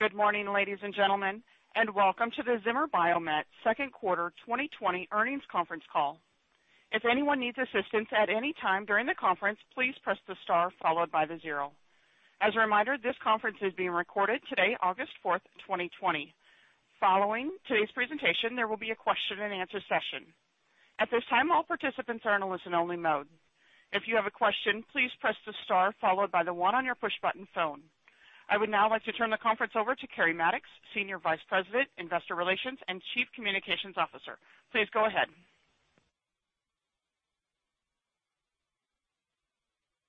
Good morning, ladies and gentlemen, and welcome to the Zimmer Biomet Second Quarter 2020 Earnings Conference Call. If anyone needs assistance at any time during the conference, please press the star followed by the zero. As a reminder, this conference is being recorded today, August 4th, 2020. Following today's presentation, there will be a question-and-answer session. At this time, all participants are in a listen-only mode. If you have a question, please press the star followed by the one on your push-button phone. I would now like to turn the conference over to Keri Mattox, Senior Vice President, Investor Relations, and Chief Communications Officer. Please go ahead.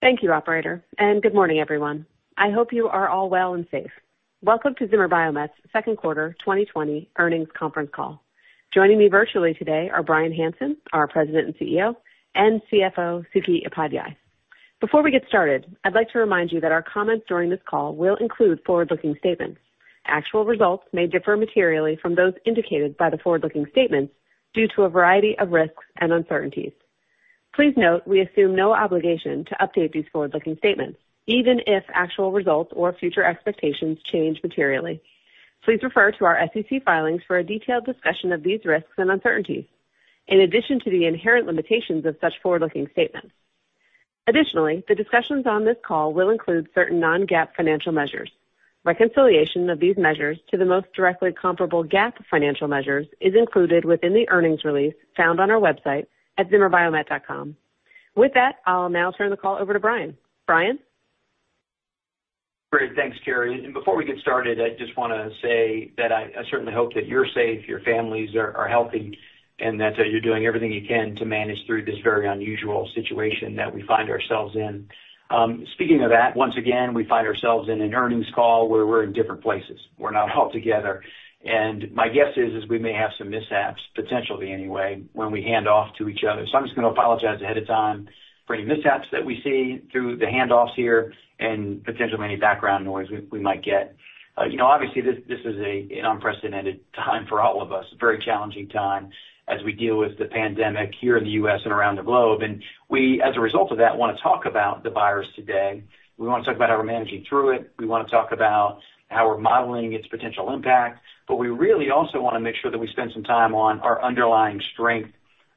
Thank you, Operator, and good morning, everyone. I hope you are all well and safe. Welcome to Zimmer Biomet's Second Quarter 2020 Earnings Conference Call. Joining me virtually today are Bryan Hanson, our President and CEO, and CFO Suky Upadhyay. Before we get started, I'd like to remind you that our comments during this call will include forward-looking statements. Actual results may differ materially from those indicated by the forward-looking statements due to a variety of risks and uncertainties. Please note we assume no obligation to update these forward-looking statements, even if actual results or future expectations change materially. Please refer to our SEC filings for a detailed discussion of these risks and uncertainties, in addition to the inherent limitations of such forward-looking statements. Additionally, the discussions on this call will include certain non-GAAP financial measures. Reconciliation of these measures to the most directly comparable GAAP financial measures is included within the earnings release found on our website at zimmerbiomet.com. With that, I'll now turn the call over to Bryan. Bryan? Great. Thanks, Keri. Before we get started, I just want to say that I certainly hope that you're safe, your families are healthy, and that you're doing everything you can to manage through this very unusual situation that we find ourselves in. Speaking of that, once again, we find ourselves in an earnings call where we're in different places. We're not all together. My guess is we may have some mishaps, potentially anyway, when we hand off to each other. I'm just going to apologize ahead of time for any mishaps that we see through the handoffs here and potentially any background noise we might get. Obviously, this is an unprecedented time for all of us, a very challenging time as we deal with the pandemic here in the U.S. and around the globe. As a result of that, we want to talk about the virus today. We want to talk about how we're managing through it. We want to talk about how we're modeling its potential impact. We really also want to make sure that we spend some time on our underlying strength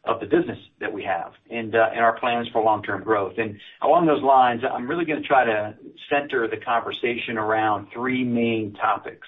of the business that we have and our plans for long-term growth. Along those lines, I'm really going to try to center the conversation around three main topics.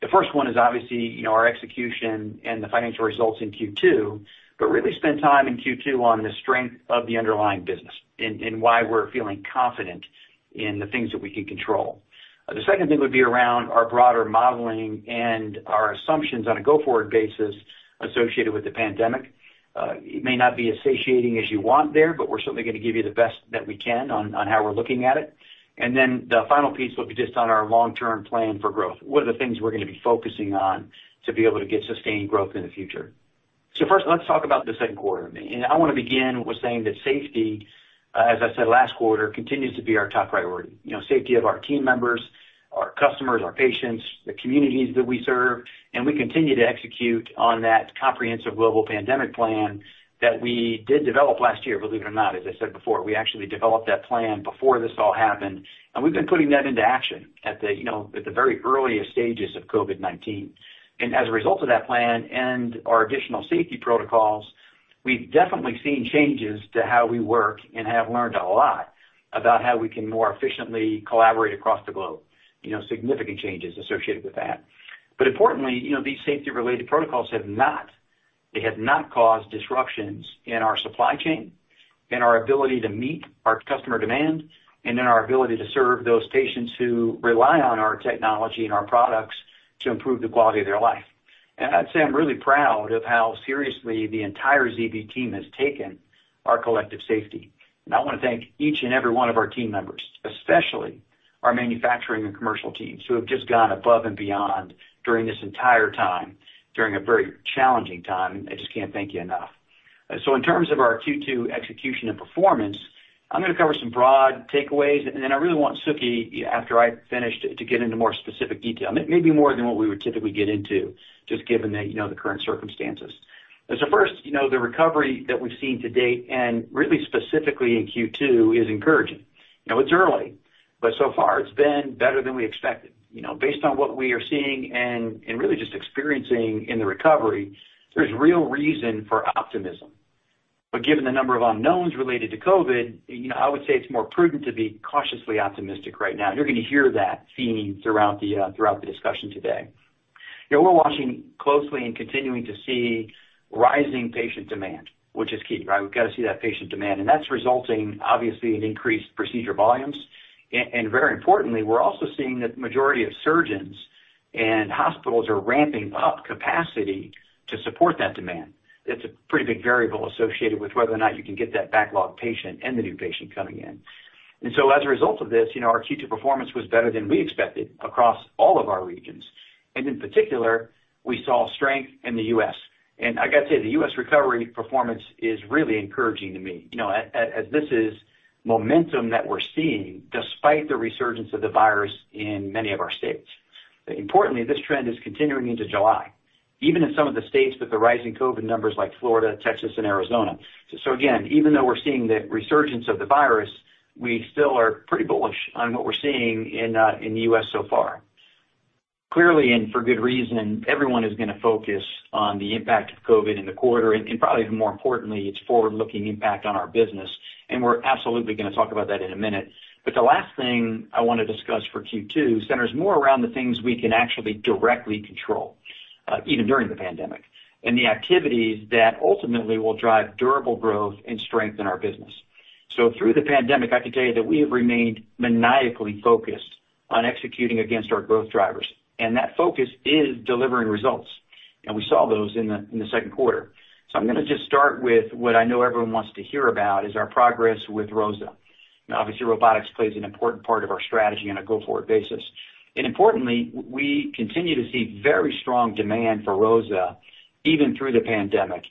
The first one is obviously our execution and the financial results in Q2, but really spend time in Q2 on the strength of the underlying business and why we're feeling confident in the things that we can control. The second thing would be around our broader modeling and our assumptions on a go-forward basis associated with the pandemic. It may not be satiating as you want there, but we're certainly going to give you the best that we can on how we're looking at it. The final piece will be just on our long-term plan for growth, what are the things we're going to be focusing on to be able to get sustained growth in the future. First, let's talk about the second quarter. I want to begin with saying that safety, as I said last quarter, continues to be our top priority: safety of our team members, our customers, our patients, the communities that we serve. We continue to execute on that comprehensive global pandemic plan that we did develop last year, believe it or not. As I said before, we actually developed that plan before this all happened. We have been putting that into action at the very earliest stages of COVID-19. As a result of that plan and our additional safety protocols, we have definitely seen changes to how we work and have learned a lot about how we can more efficiently collaborate across the globe, significant changes associated with that. Importantly, these safety-related protocols have not caused disruptions in our supply chain, in our ability to meet our customer demand, and in our ability to serve those patients who rely on our technology and our products to improve the quality of their life. I would say I am really proud of how seriously the entire ZB team has taken our collective safety. I want to thank each and every one of our team members, especially our manufacturing and commercial teams who have just gone above and beyond during this entire time, during a very challenging time. I just can't thank you enough. In terms of our Q2 execution and performance, I'm going to cover some broad takeaways. I really want Suky, after I finish, to get into more specific detail, maybe more than what we would typically get into, just given the current circumstances. First, the recovery that we've seen to date, and really specifically in Q2, is encouraging. It's early, but so far it's been better than we expected. Based on what we are seeing and really just experiencing in the recovery, there's real reason for optimism. Given the number of unknowns related to COVID, I would say it's more prudent to be cautiously optimistic right now. You're going to hear that theme throughout the discussion today. We're watching closely and continuing to see rising patient demand, which is key. We've got to see that patient demand. That's resulting, obviously, in increased procedure volumes. Very importantly, we're also seeing that the majority of surgeons and hospitals are ramping up capacity to support that demand. It's a pretty big variable associated with whether or not you can get that backlog patient and the new patient coming in. As a result of this, our Q2 performance was better than we expected across all of our regions. In particular, we saw strength in the U.S. I got to say, the U.S. Recovery performance is really encouraging to me, as this is momentum that we're seeing despite the resurgence of the virus in many of our states. Importantly, this trend is continuing into July, even in some of the states with the rising COVID numbers like Florida, Texas, and Arizona. Even though we're seeing the resurgence of the virus, we still are pretty bullish on what we're seeing in the U.S. so far. Clearly, and for good reason, everyone is going to focus on the impact of COVID in the quarter and probably even more importantly, its forward-looking impact on our business. We're absolutely going to talk about that in a minute. The last thing I want to discuss for Q2 centers more around the things we can actually directly control, even during the pandemic, and the activities that ultimately will drive durable growth and strength in our business. Through the pandemic, I can tell you that we have remained maniacally focused on executing against our growth drivers. That focus is delivering results. We saw those in the second quarter. I'm going to just start with what I know everyone wants to hear about, our progress with ROSA. Obviously, robotics plays an important part of our strategy on a go-forward basis. Importantly, we continue to see very strong demand for ROSA even through the pandemic.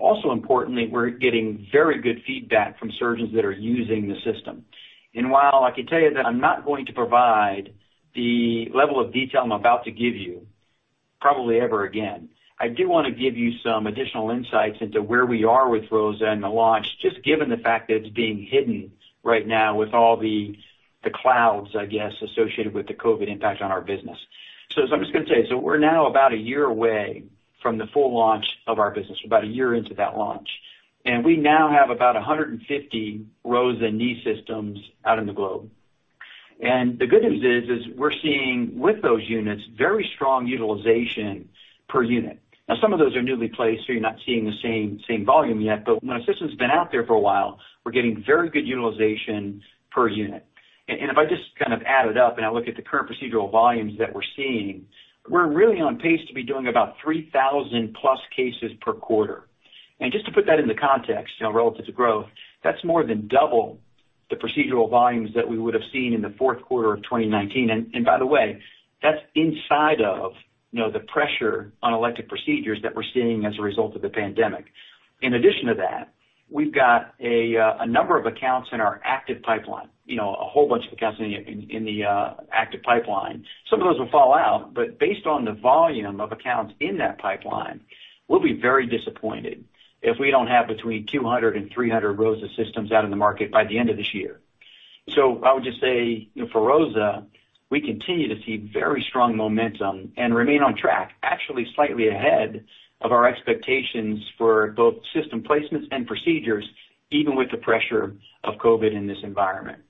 Also importantly, we're getting very good feedback from surgeons that are using the system. While I can tell you that I'm not going to provide the level of detail I'm about to give you probably ever again, I do want to give you some additional insights into where we are with ROSA and the launch, just given the fact that it's being hidden right now with all the clouds, I guess, associated with the COVID impact on our business. I'm just going to tell you, we're now about a year away from the full launch of our business, about a year into that launch. We now have about 150 ROSA knee systems out in the globe. The good news is we're seeing with those units very strong utilization per unit. Some of those are newly placed, so you're not seeing the same volume yet. When a system's been out there for a while, we're getting very good utilization per unit. If I just kind of add it up and I look at the current procedural volumes that we're seeing, we're really on pace to be doing about 3,000-plus cases per quarter. Just to put that into context relative to growth, that's more than double the procedural volumes that we would have seen in the fourth quarter of 2019. By the way, that's inside of the pressure on elective procedures that we're seeing as a result of the pandemic. In addition to that, we've got a number of accounts in our active pipeline, a whole bunch of accounts in the active pipeline. Some of those will fall out. Based on the volume of accounts in that pipeline, we'll be very disappointed if we don't have between 200 and 300 ROSA systems out in the market by the end of this year. I would just say for ROSA, we continue to see very strong momentum and remain on track, actually slightly ahead of our expectations for both system placements and procedures, even with the pressure of COVID in this environment.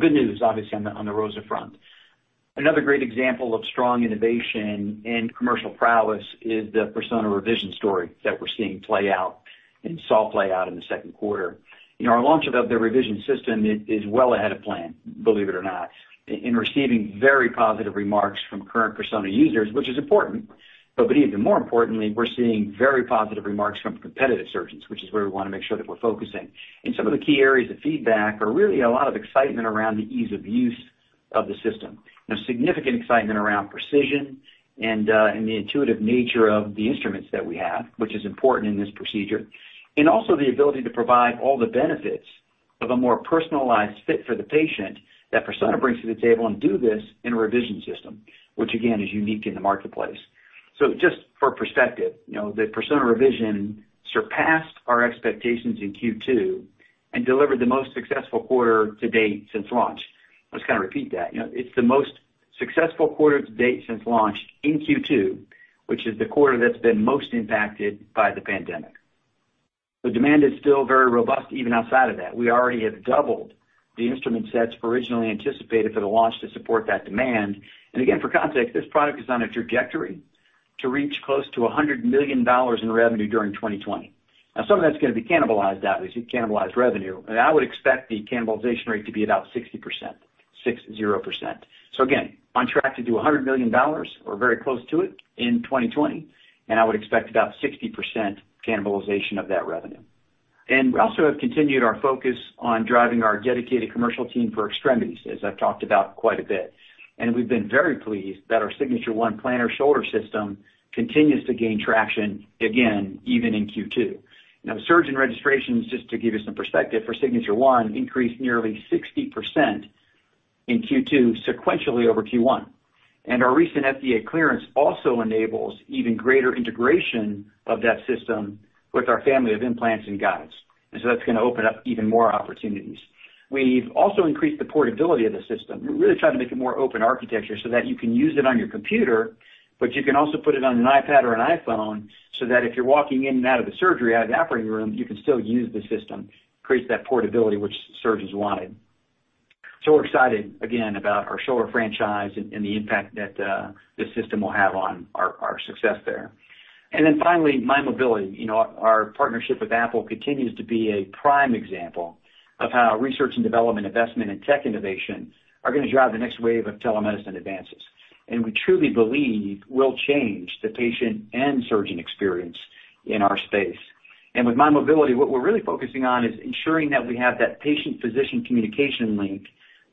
Good news, obviously, on the ROSA front. Another great example of strong innovation and commercial prowess is the Persona Revision story that we're seeing play out and saw play out in the second quarter. Our launch of the revision system is well ahead of plan, believe it or not, and receiving very positive remarks from current Persona users, which is important. Even more importantly, we're seeing very positive remarks from competitive surgeons, which is where we want to make sure that we're focusing. Some of the key areas of feedback are really a lot of excitement around the ease of use of the system, significant excitement around precision and the intuitive nature of the instruments that we have, which is important in this procedure, and also the ability to provide all the benefits of a more personalized fit for the patient that Persona brings to the table and do this in a revision system, which again is unique in the marketplace. Just for perspective, the Persona Revision surpassed our expectations in Q2 and delivered the most successful quarter to date since launch. Let's kind of repeat that. It's the most successful quarter to date since launch in Q2, which is the quarter that's been most impacted by the pandemic. The demand is still very robust, even outside of that. We already have doubled the instrument sets originally anticipated for the launch to support that demand. For context, this product is on a trajectory to reach close to $100 million in revenue during 2020. Some of that's going to be cannibalized out. We see cannibalized revenue. I would expect the cannibalization rate to be about 60%, 60%. On track to do $100 million or very close to it in 2020. I would expect about 60% cannibalization of that revenue. We also have continued our focus on driving our dedicated commercial team for extremities, as I've talked about quite a bit. We have been very pleased that our Signature ONE planner shoulder system continues to gain traction again, even in Q2. Surgeon registrations, just to give you some perspective, for Signature ONE increased nearly 60% in Q2 sequentially over Q1. Our recent FDA clearance also enables even greater integration of that system with our family of implants and guides. That is going to open up even more opportunities. We have also increased the portability of the system. We are really trying to make it more open architecture so that you can use it on your computer, but you can also put it on an iPad or an iPhone so that if you are walking in and out of the surgery, out of the operating room, you can still use the system. It creates that portability which surgeons wanted. We are excited again about our shoulder franchise and the impact that this system will have on our success there. Finally, mymobility. Our partnership with Apple continues to be a prime example of how research and development, investment, and tech innovation are going to drive the next wave of telemedicine advances. We truly believe will change the patient and surgeon experience in our space. With mymobility, what we are really focusing on is ensuring that we have that patient-physician communication link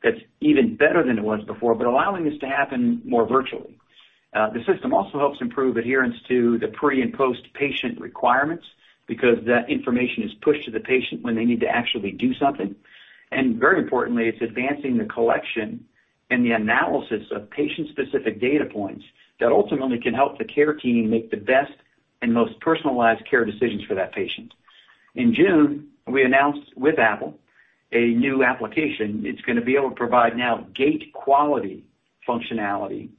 that is even better than it was before, but allowing this to happen more virtually. The system also helps improve adherence to the pre and post-patient requirements because that information is pushed to the patient when they need to actually do something. Very importantly, it's advancing the collection and the analysis of patient-specific data points that ultimately can help the care team make the best and most personalized care decisions for that patient. In June, we announced with Apple a new application. It's going to be able to provide now gait quality functionality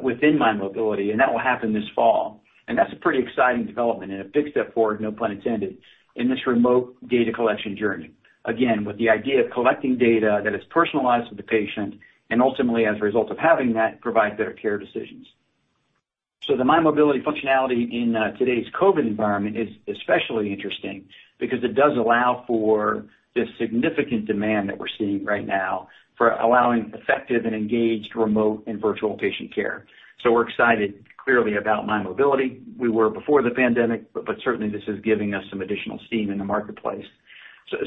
within mymobility. That will happen this fall. That's a pretty exciting development and a big step forward, no pun intended, in this remote data collection journey, again, with the idea of collecting data that is personalized with the patient and ultimately, as a result of having that, provide better care decisions. The mymobility functionality in today's COVID environment is especially interesting because it does allow for the significant demand that we're seeing right now for allowing effective and engaged remote and virtual patient care. We're excited clearly about mymobility. We were before the pandemic, but certainly this is giving us some additional steam in the marketplace.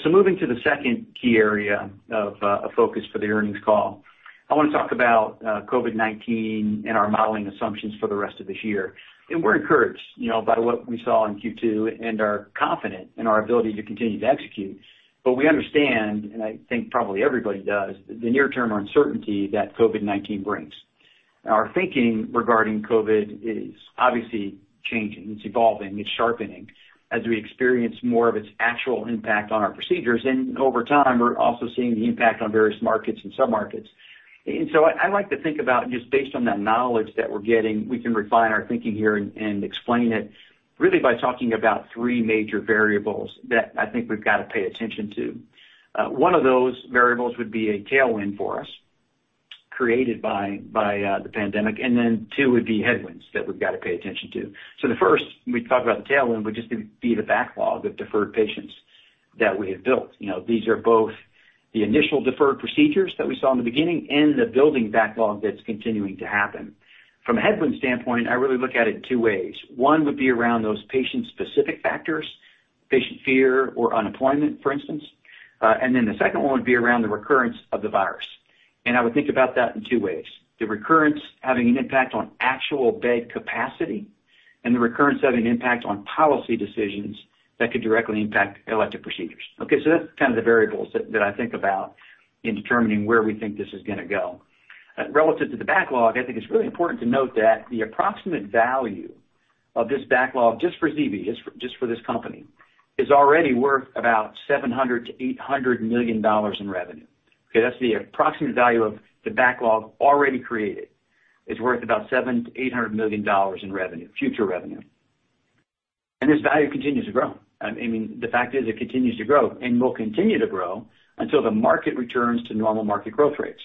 Moving to the second key area of focus for the earnings call, I want to talk about COVID-19 and our modeling assumptions for the rest of this year. We are encouraged by what we saw in Q2 and are confident in our ability to continue to execute. We understand, and I think probably everybody does, the near-term uncertainty that COVID-19 brings. Our thinking regarding COVID is obviously changing. It is evolving. It is sharpening as we experience more of its actual impact on our procedures. Over time, we are also seeing the impact on various markets and submarkets. I like to think about just based on that knowledge that we're getting, we can refine our thinking here and explain it really by talking about three major variables that I think we've got to pay attention to. One of those variables would be a tailwind for us created by the pandemic. Two would be headwinds that we've got to pay attention to. The first, we talked about the tailwind, would just be the backlog of deferred patients that we have built. These are both the initial deferred procedures that we saw in the beginning and the building backlog that's continuing to happen. From a headwind standpoint, I really look at it two ways. One would be around those patient-specific factors, patient fear or unemployment, for instance. The second one would be around the recurrence of the virus. I would think about that in two ways: the recurrence having an impact on actual bed capacity and the recurrence having an impact on policy decisions that could directly impact elective procedures. Okay. That is kind of the variables that I think about in determining where we think this is going to go. Relative to the backlog, I think it is really important to note that the approximate value of this backlog, just for Zimmer Biomet, just for this company, is already worth about $700-$800 million in revenue. Okay. That is the approximate value of the backlog already created. It is worth about $700-$800 million in revenue, future revenue. This value continues to grow. I mean, the fact is it continues to grow and will continue to grow until the market returns to normal market growth rates.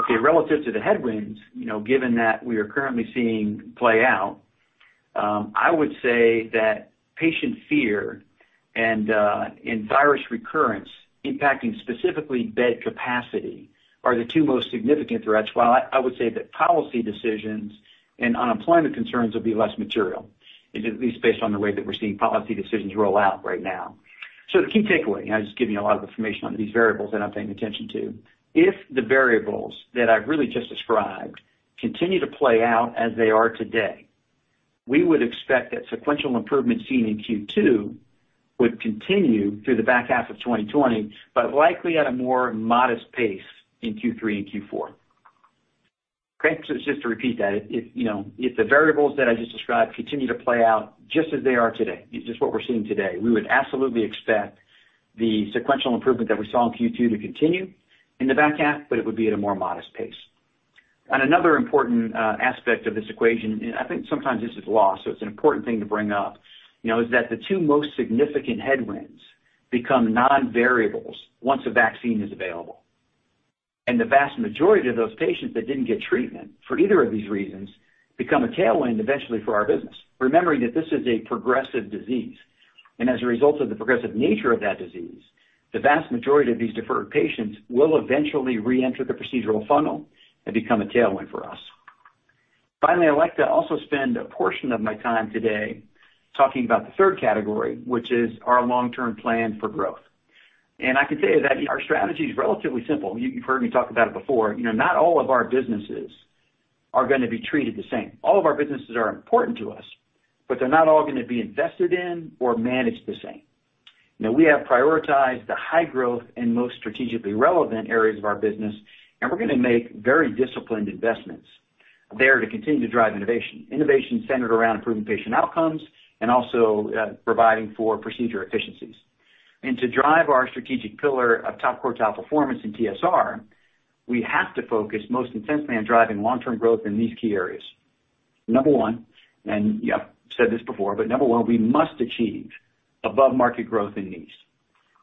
Okay. Relative to the headwinds, given that we are currently seeing play out, I would say that patient fear and virus recurrence impacting specifically bed capacity are the two most significant threats. While I would say that policy decisions and unemployment concerns would be less material, at least based on the way that we're seeing policy decisions roll out right now. The key takeaway, and I just give you a lot of information on these variables that I'm paying attention to, if the variables that I've really just described continue to play out as they are today, we would expect that sequential improvement seen in Q2 would continue through the back half of 2020, but likely at a more modest pace in Q3 and Q4. Okay. Just to repeat that. If the variables that I just described continue to play out just as they are today, just what we're seeing today, we would absolutely expect the sequential improvement that we saw in Q2 to continue in the back half, but it would be at a more modest pace. Another important aspect of this equation, and I think sometimes this is lost, so it's an important thing to bring up, is that the two most significant headwinds become non-variables once a vaccine is available. The vast majority of those patients that didn't get treatment for either of these reasons become a tailwind eventually for our business, remembering that this is a progressive disease. As a result of the progressive nature of that disease, the vast majority of these deferred patients will eventually re-enter the procedural funnel and become a tailwind for us. Finally, I'd like to also spend a portion of my time today talking about the third category, which is our long-term plan for growth. I can tell you that our strategy is relatively simple. You've heard me talk about it before. Not all of our businesses are going to be treated the same. All of our businesses are important to us, but they're not all going to be invested in or managed the same. We have prioritized the high growth and most strategically relevant areas of our business, and we're going to make very disciplined investments there to continue to drive innovation, innovation centered around improving patient outcomes and also providing for procedure efficiencies. To drive our strategic pillar of top quartile performance in TSR, we have to focus most intensely on driving long-term growth in these key areas. Number one, and I've said this before, but number one, we must achieve above-market growth in knees.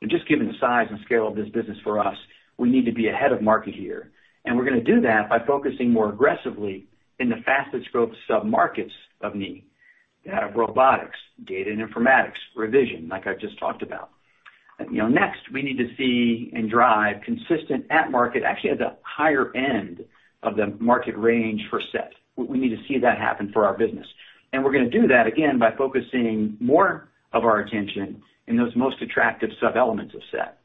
Just given the size and scale of this business for us, we need to be ahead of market here. We're going to do that by focusing more aggressively in the fastest growth submarkets of knee, robotics, data and informatics, revision, like I've just talked about. Next, we need to see and drive consistent at-market, actually at the higher end of the market range for SET. We need to see that happen for our business. We're going to do that again by focusing more of our attention in those most attractive sub-elements of SET.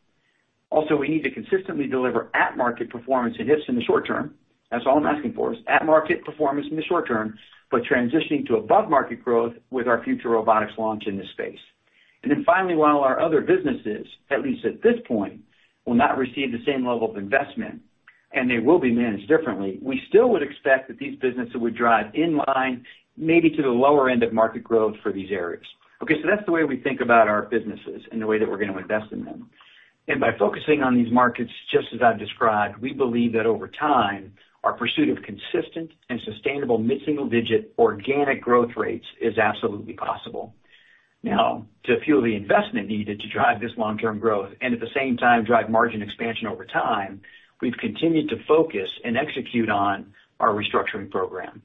Also, we need to consistently deliver at-market performance in hips in the short term. That's all I'm asking for is at-market performance in the short term, but transitioning to above-market growth with our future robotics launch in this space. Finally, while our other businesses, at least at this point, will not receive the same level of investment and they will be managed differently, we still would expect that these businesses would drive in line, maybe to the lower end of market growth for these areas. Okay. That's the way we think about our businesses and the way that we're going to invest in them. By focusing on these markets, just as I've described, we believe that over time, our pursuit of consistent and sustainable mid-single-digit organic growth rates is absolutely possible. Now, to fuel the investment needed to drive this long-term growth and at the same time drive margin expansion over time, we've continued to focus and execute on our restructuring program.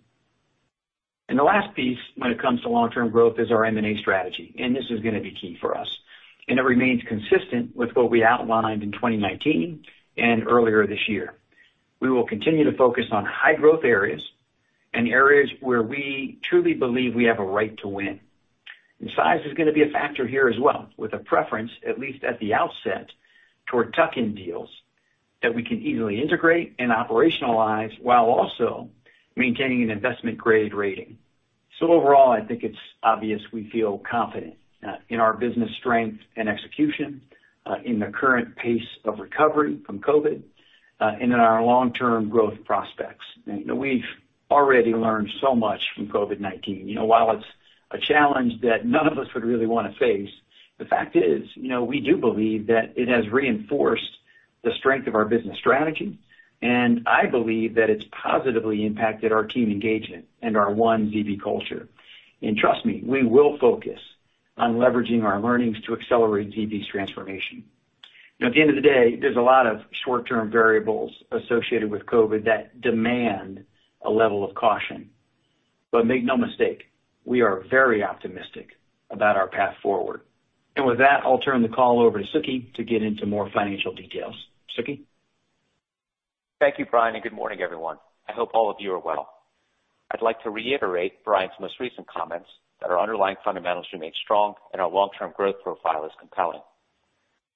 The last piece when it comes to long-term growth is our M&A strategy. This is going to be key for us. It remains consistent with what we outlined in 2019 and earlier this year. We will continue to focus on high-growth areas and areas where we truly believe we have a right to win. Size is going to be a factor here as well, with a preference, at least at the outset, toward tuck-in deals that we can easily integrate and operationalize while also maintaining an investment-grade rating. Overall, I think it's obvious we feel confident in our business strength and execution in the current pace of recovery from COVID and in our long-term growth prospects. We've already learned so much from COVID-19. While it's a challenge that none of us would really want to face, the fact is we do believe that it has reinforced the strength of our business strategy. I believe that it's positively impacted our team engagement and our One ZB culture. Trust me, we will focus on leveraging our learnings to accelerate ZB's transformation. At the end of the day, there's a lot of short-term variables associated with COVID that demand a level of caution. Make no mistake, we are very optimistic about our path forward. With that, I'll turn the call over to Suky to get into more financial details. Suky. Thank you, Bryan, and good morning, everyone. I hope all of you are well. I'd like to reiterate Bryan's most recent comments that our underlying fundamentals remain strong and our long-term growth profile is compelling.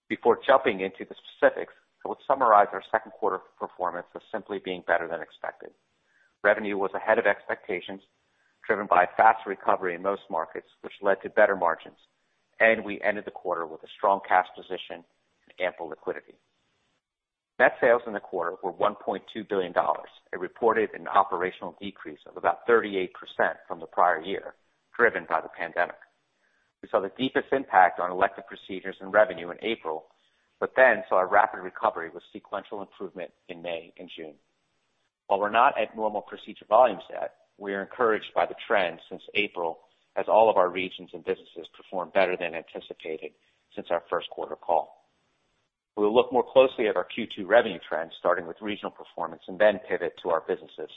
Before jumping into the specifics, I would summarize our second quarter performance as simply being better than expected. Revenue was ahead of expectations, driven by a fast recovery in most markets, which led to better margins. We ended the quarter with a strong cash position and ample liquidity. Net sales in the quarter were $1.2 billion, a reported and operational decrease of about 38% from the prior year, driven by the pandemic. We saw the deepest impact on elective procedures and revenue in April, but then saw a rapid recovery with sequential improvement in May and June. While we're not at normal procedure volumes yet, we are encouraged by the trend since April, as all of our regions and businesses performed better than anticipated since our first quarter call. We will look more closely at our Q2 revenue trend, starting with regional performance and then pivot to our businesses.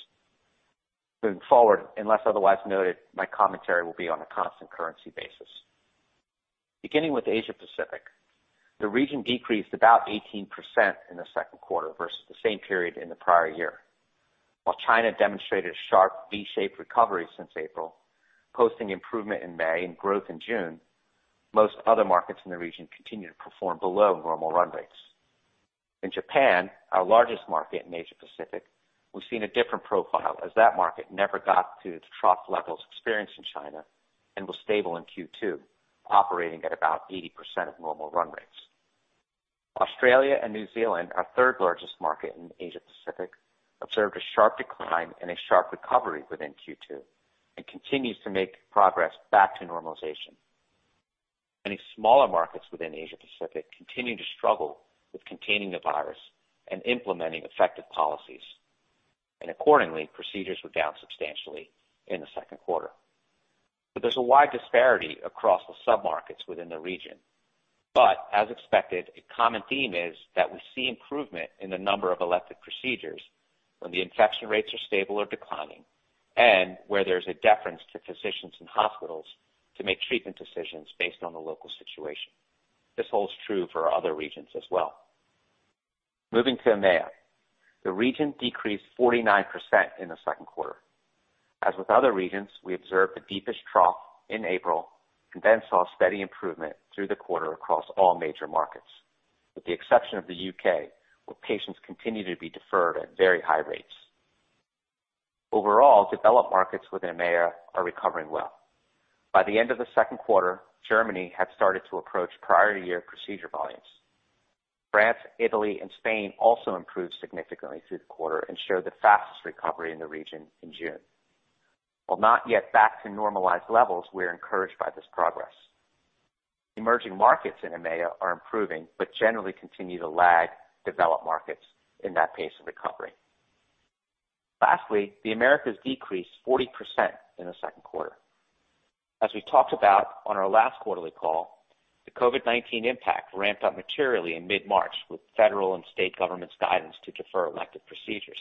Moving forward, unless otherwise noted, my commentary will be on a constant currency basis. Beginning with Asia-Pacific, the region decreased about 18% in the second quarter versus the same period in the prior year. While China demonstrated a sharp V-shaped recovery since April, posting improvement in May and growth in June, most other markets in the region continued to perform below normal run rates. In Japan, our largest market in Asia-Pacific, we've seen a different profile as that market never got to its trough levels experienced in China and was stable in Q2, operating at about 80% of normal run rates. Australia and New Zealand, our third-largest market in Asia-Pacific, observed a sharp decline and a sharp recovery within Q2 and continues to make progress back to normalization. Many smaller markets within Asia-Pacific continue to struggle with containing the virus and implementing effective policies. Accordingly, procedures were down substantially in the second quarter. There is a wide disparity across the submarkets within the region. As expected, a common theme is that we see improvement in the number of elective procedures when the infection rates are stable or declining and where there is a deference to physicians and hospitals to make treatment decisions based on the local situation. This holds true for other regions as well. Moving to EMEA, the region decreased 49% in the second quarter. As with other regions, we observed the deepest trough in April and then saw steady improvement through the quarter across all major markets, with the exception of the U.K., where patients continue to be deferred at very high rates. Overall, developed markets within EMEA are recovering well. By the end of the second quarter, Germany had started to approach prior-year procedure volumes. France, Italy, and Spain also improved significantly through the quarter and showed the fastest recovery in the region in June. While not yet back to normalized levels, we are encouraged by this progress. Emerging markets in EMEA are improving, but generally continue to lag developed markets in that pace of recovery. Lastly, the Americas decreased 40% in the second quarter. As we talked about on our last quarterly call, the COVID-19 impact ramped up materially in mid-March with federal and state governments' guidance to defer elective procedures.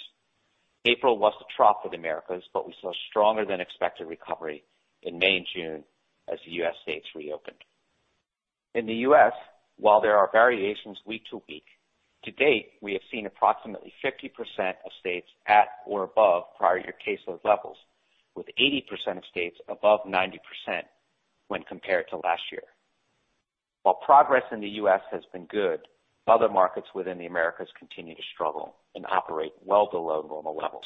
April was the trough with the Americas, but we saw a stronger-than-expected recovery in May and June as the U.S. states reopened. In the U.S., while there are variations week to week, to date, we have seen approximately 50% of states at or above prior-year caseload levels, with 80% of states above 90% when compared to last year. While progress in the U.S. has been good, other markets within the Americas continue to struggle and operate well below normal levels.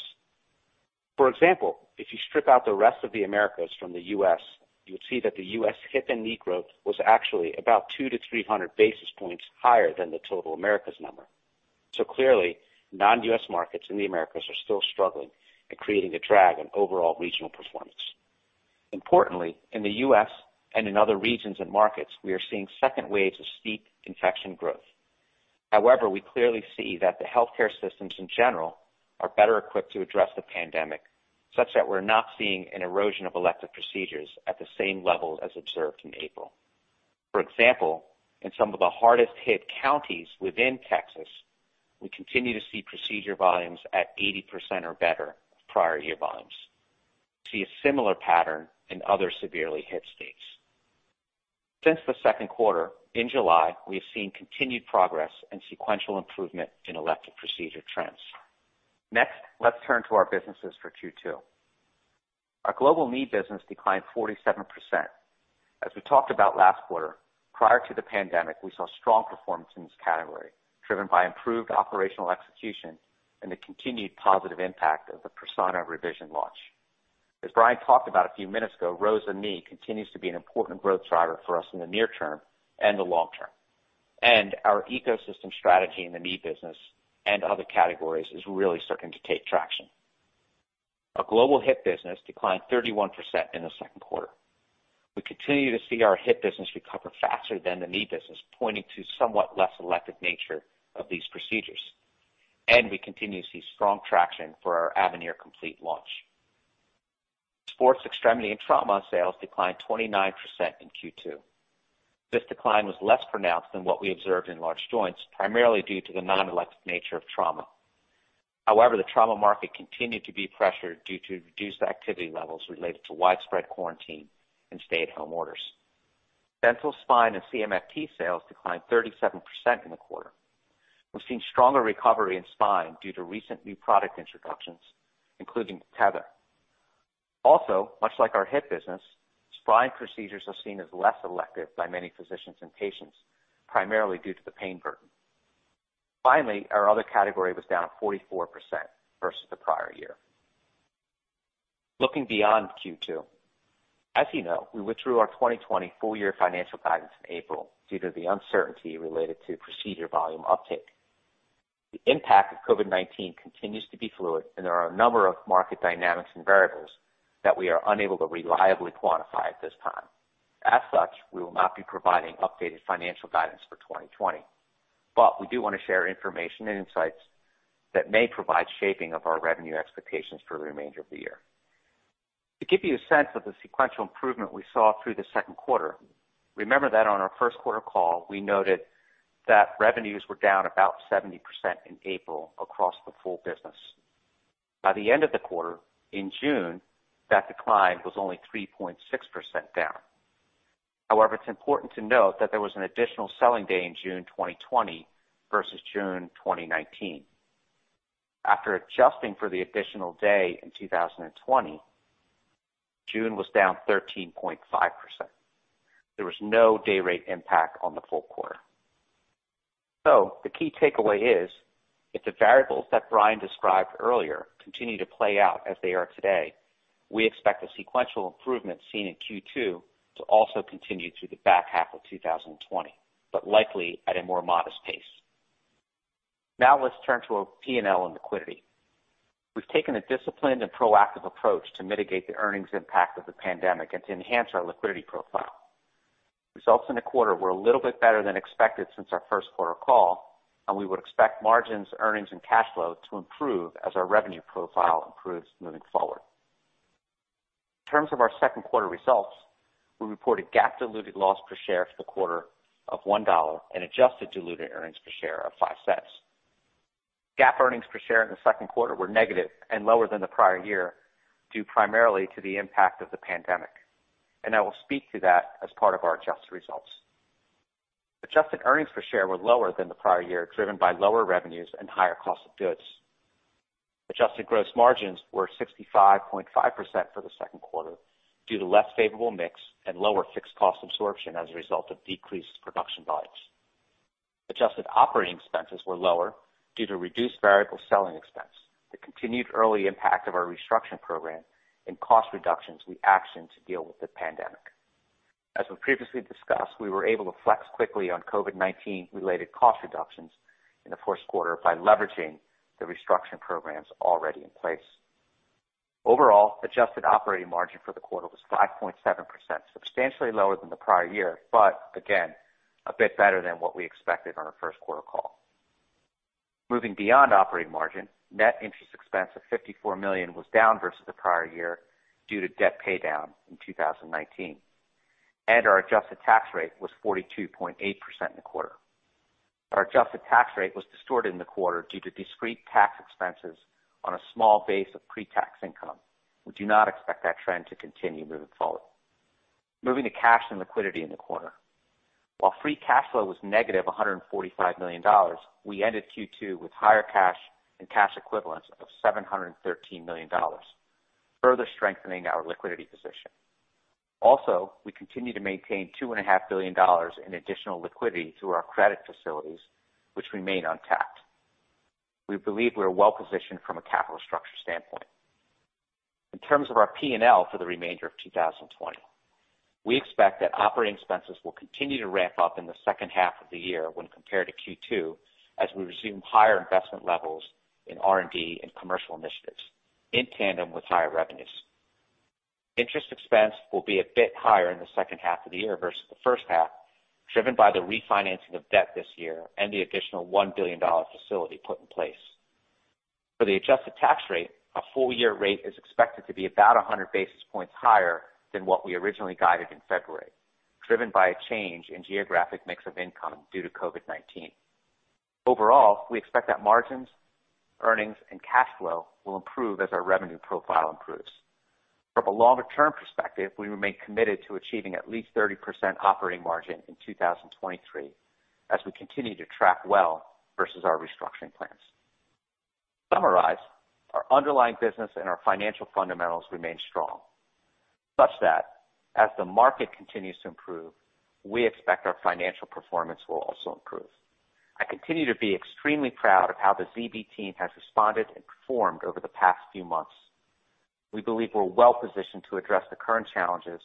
For example, if you strip out the rest of the Americas from the U.S., you would see that the U.S. hip and knee growth was actually about 200 to 300 basis points higher than the total Americas number. Clearly, non-U.S. markets in the Americas are still struggling and creating a drag on overall regional performance. Importantly, in the U.S. and in other regions and markets, we are seeing second waves of steep infection growth. However, we clearly see that the healthcare systems in general are better equipped to address the pandemic, such that we're not seeing an erosion of elective procedures at the same levels as observed in April. For example, in some of the hardest-hit counties within Texas, we continue to see procedure volumes at 80% or better of prior-year volumes. We see a similar pattern in other severely hit states. Since the second quarter, in July, we have seen continued progress and sequential improvement in elective procedure trends. Next, let's turn to our businesses for Q2. Our global knee business declined 47%. As we talked about last quarter, prior to the pandemic, we saw strong performance in this category, driven by improved operational execution and the continued positive impact of the Persona revision launch. As Bryan talked about a few minutes ago, ROSA Knee continues to be an important growth driver for us in the near term and the long term. Our ecosystem strategy in the knee business and other categories is really starting to take traction. Our global hip business declined 31% in the second quarter. We continue to see our hip business recover faster than the knee business, pointing to somewhat less elective nature of these procedures. We continue to see strong traction for our Avenir Complete launch. Sports, Extremities, and Trauma sales declined 29% in Q2. This decline was less pronounced than what we observed in large joints, primarily due to the non-elective nature of trauma. However, the trauma market continued to be pressured due to reduced activity levels related to widespread quarantine and stay-at-home orders. Dental, Spine, and CMFT sales declined 37% in the quarter. We've seen stronger recovery in Spine due to recent new product introductions, including The Tether. Also, much like our hip business, Spine procedures are seen as less elective by many physicians and patients, primarily due to the pain burden. Finally, our other category was down 44% versus the prior year. Looking beyond Q2, as you know, we withdrew our 2020 full-year financial guidance in April due to the uncertainty related to procedure volume uptake. The impact of COVID-19 continues to be fluid, and there are a number of market dynamics and variables that we are unable to reliably quantify at this time. As such, we will not be providing updated financial guidance for 2020. We do want to share information and insights that may provide shaping of our revenue expectations for the remainder of the year. To give you a sense of the sequential improvement we saw through the second quarter, remember that on our first quarter call, we noted that revenues were down about 70% in April across the full business. By the end of the quarter, in June, that decline was only 3.6% down. However, it's important to note that there was an additional selling day in June 2020 versus June 2019. After adjusting for the additional day in 2020, June was down 13.5%. There was no day-rate impact on the full quarter. The key takeaway is, if the variables that Bryan described earlier continue to play out as they are today, we expect the sequential improvement seen in Q2 to also continue through the back half of 2020, but likely at a more modest pace. Now let's turn to our P&L and liquidity. We've taken a disciplined and proactive approach to mitigate the earnings impact of the pandemic and to enhance our liquidity profile. Results in the quarter were a little bit better than expected since our first quarter call, and we would expect margins, earnings, and cash flow to improve as our revenue profile improves moving forward. In terms of our second quarter results, we reported GAAP diluted loss per share for the quarter of $1 and adjusted diluted earnings per share of $0.05. GAAP earnings per share in the second quarter were negative and lower than the prior year due primarily to the impact of the pandemic. I will speak to that as part of our adjusted results. Adjusted earnings per share were lower than the prior year, driven by lower revenues and higher cost of goods. Adjusted gross margins were 65.5% for the second quarter due to less favorable mix and lower fixed cost absorption as a result of decreased production volumes. Adjusted operating expenses were lower due to reduced variable selling expense. The continued early impact of our restructuring program and cost reductions we actioned to deal with the pandemic. As we previously discussed, we were able to flex quickly on COVID-19-related cost reductions in the first quarter by leveraging the restructuring programs already in place. Overall, adjusted operating margin for the quarter was 5.7%, substantially lower than the prior year, but again, a bit better than what we expected on our first quarter call. Moving beyond operating margin, net interest expense of $54 million was down versus the prior year due to debt paydown in 2019. Our adjusted tax rate was 42.8% in the quarter. Our adjusted tax rate was distorted in the quarter due to discrete tax expenses on a small base of pre-tax income. We do not expect that trend to continue moving forward. Moving to cash and liquidity in the quarter. While free cash flow was negative $145 million, we ended Q2 with higher cash and cash equivalents of $713 million, further strengthening our liquidity position. Also, we continue to maintain $2.5 billion in additional liquidity through our credit facilities, which remain untapped. We believe we are well-positioned from a capital structure standpoint. In terms of our P&L for the remainder of 2020, we expect that operating expenses will continue to ramp up in the second half of the year when compared to Q2, as we resume higher investment levels in R&D and commercial initiatives in tandem with higher revenues. Interest expense will be a bit higher in the second half of the year versus the first half, driven by the refinancing of debt this year and the additional $1 billion facility put in place. For the adjusted tax rate, a full-year rate is expected to be about 100 basis points higher than what we originally guided in February, driven by a change in geographic mix of income due to COVID-19. Overall, we expect that margins, earnings, and cash flow will improve as our revenue profile improves. From a longer-term perspective, we remain committed to achieving at least 30% operating margin in 2023 as we continue to track well versus our restructuring plans. To summarize, our underlying business and our financial fundamentals remain strong, such that as the market continues to improve, we expect our financial performance will also improve. I continue to be extremely proud of how the ZB team has responded and performed over the past few months. We believe we're well-positioned to address the current challenges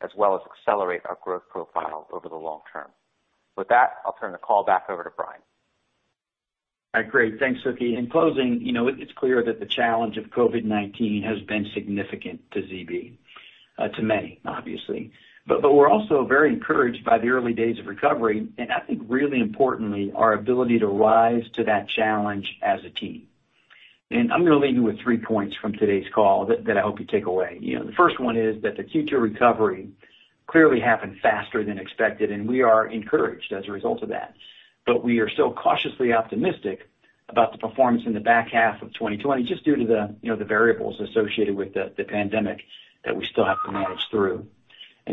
as well as accelerate our growth profile over the long term. With that, I'll turn the call back over to Bryan. Great. Thanks, Suky. In closing, it's clear that the challenge of COVID-19 has been significant to ZB, to many, obviously. We are also very encouraged by the early days of recovery and, I think, really importantly, our ability to rise to that challenge as a team. I am going to leave you with three points from today's call that I hope you take away. The first one is that the Q2 recovery clearly happened faster than expected, and we are encouraged as a result of that. We are still cautiously optimistic about the performance in the back half of 2020, just due to the variables associated with the pandemic that we still have to manage through.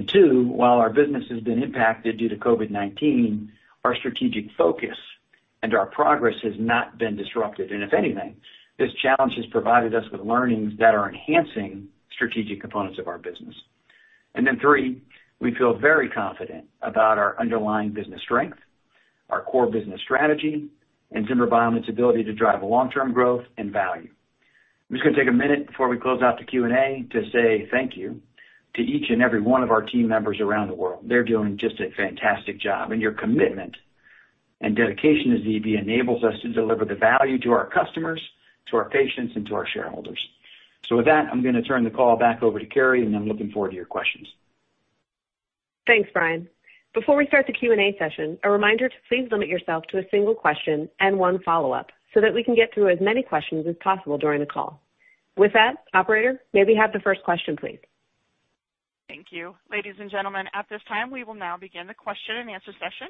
Two, while our business has been impacted due to COVID-19, our strategic focus and our progress has not been disrupted. If anything, this challenge has provided us with learnings that are enhancing strategic components of our business. Three, we feel very confident about our underlying business strength, our core business strategy, and Zimmer Biomet's ability to drive long-term growth and value. I'm just going to take a minute before we close out the Q&A to say thank you to each and every one of our team members around the world. They're doing just a fantastic job. Your commitment and dedication to Zimmer Biomet enables us to deliver the value to our customers, to our patients, and to our shareholders. With that, I'm going to turn the call back over to Keri, and I'm looking forward to your questions. Thanks, Bryan. Before we start the Q&A session, a reminder to please limit yourself to a single question and one follow-up so that we can get through as many questions as possible during the call. With that, Operator, may we have the first question, please? Thank you. Ladies and gentlemen, at this time, we will now begin the question and answer session.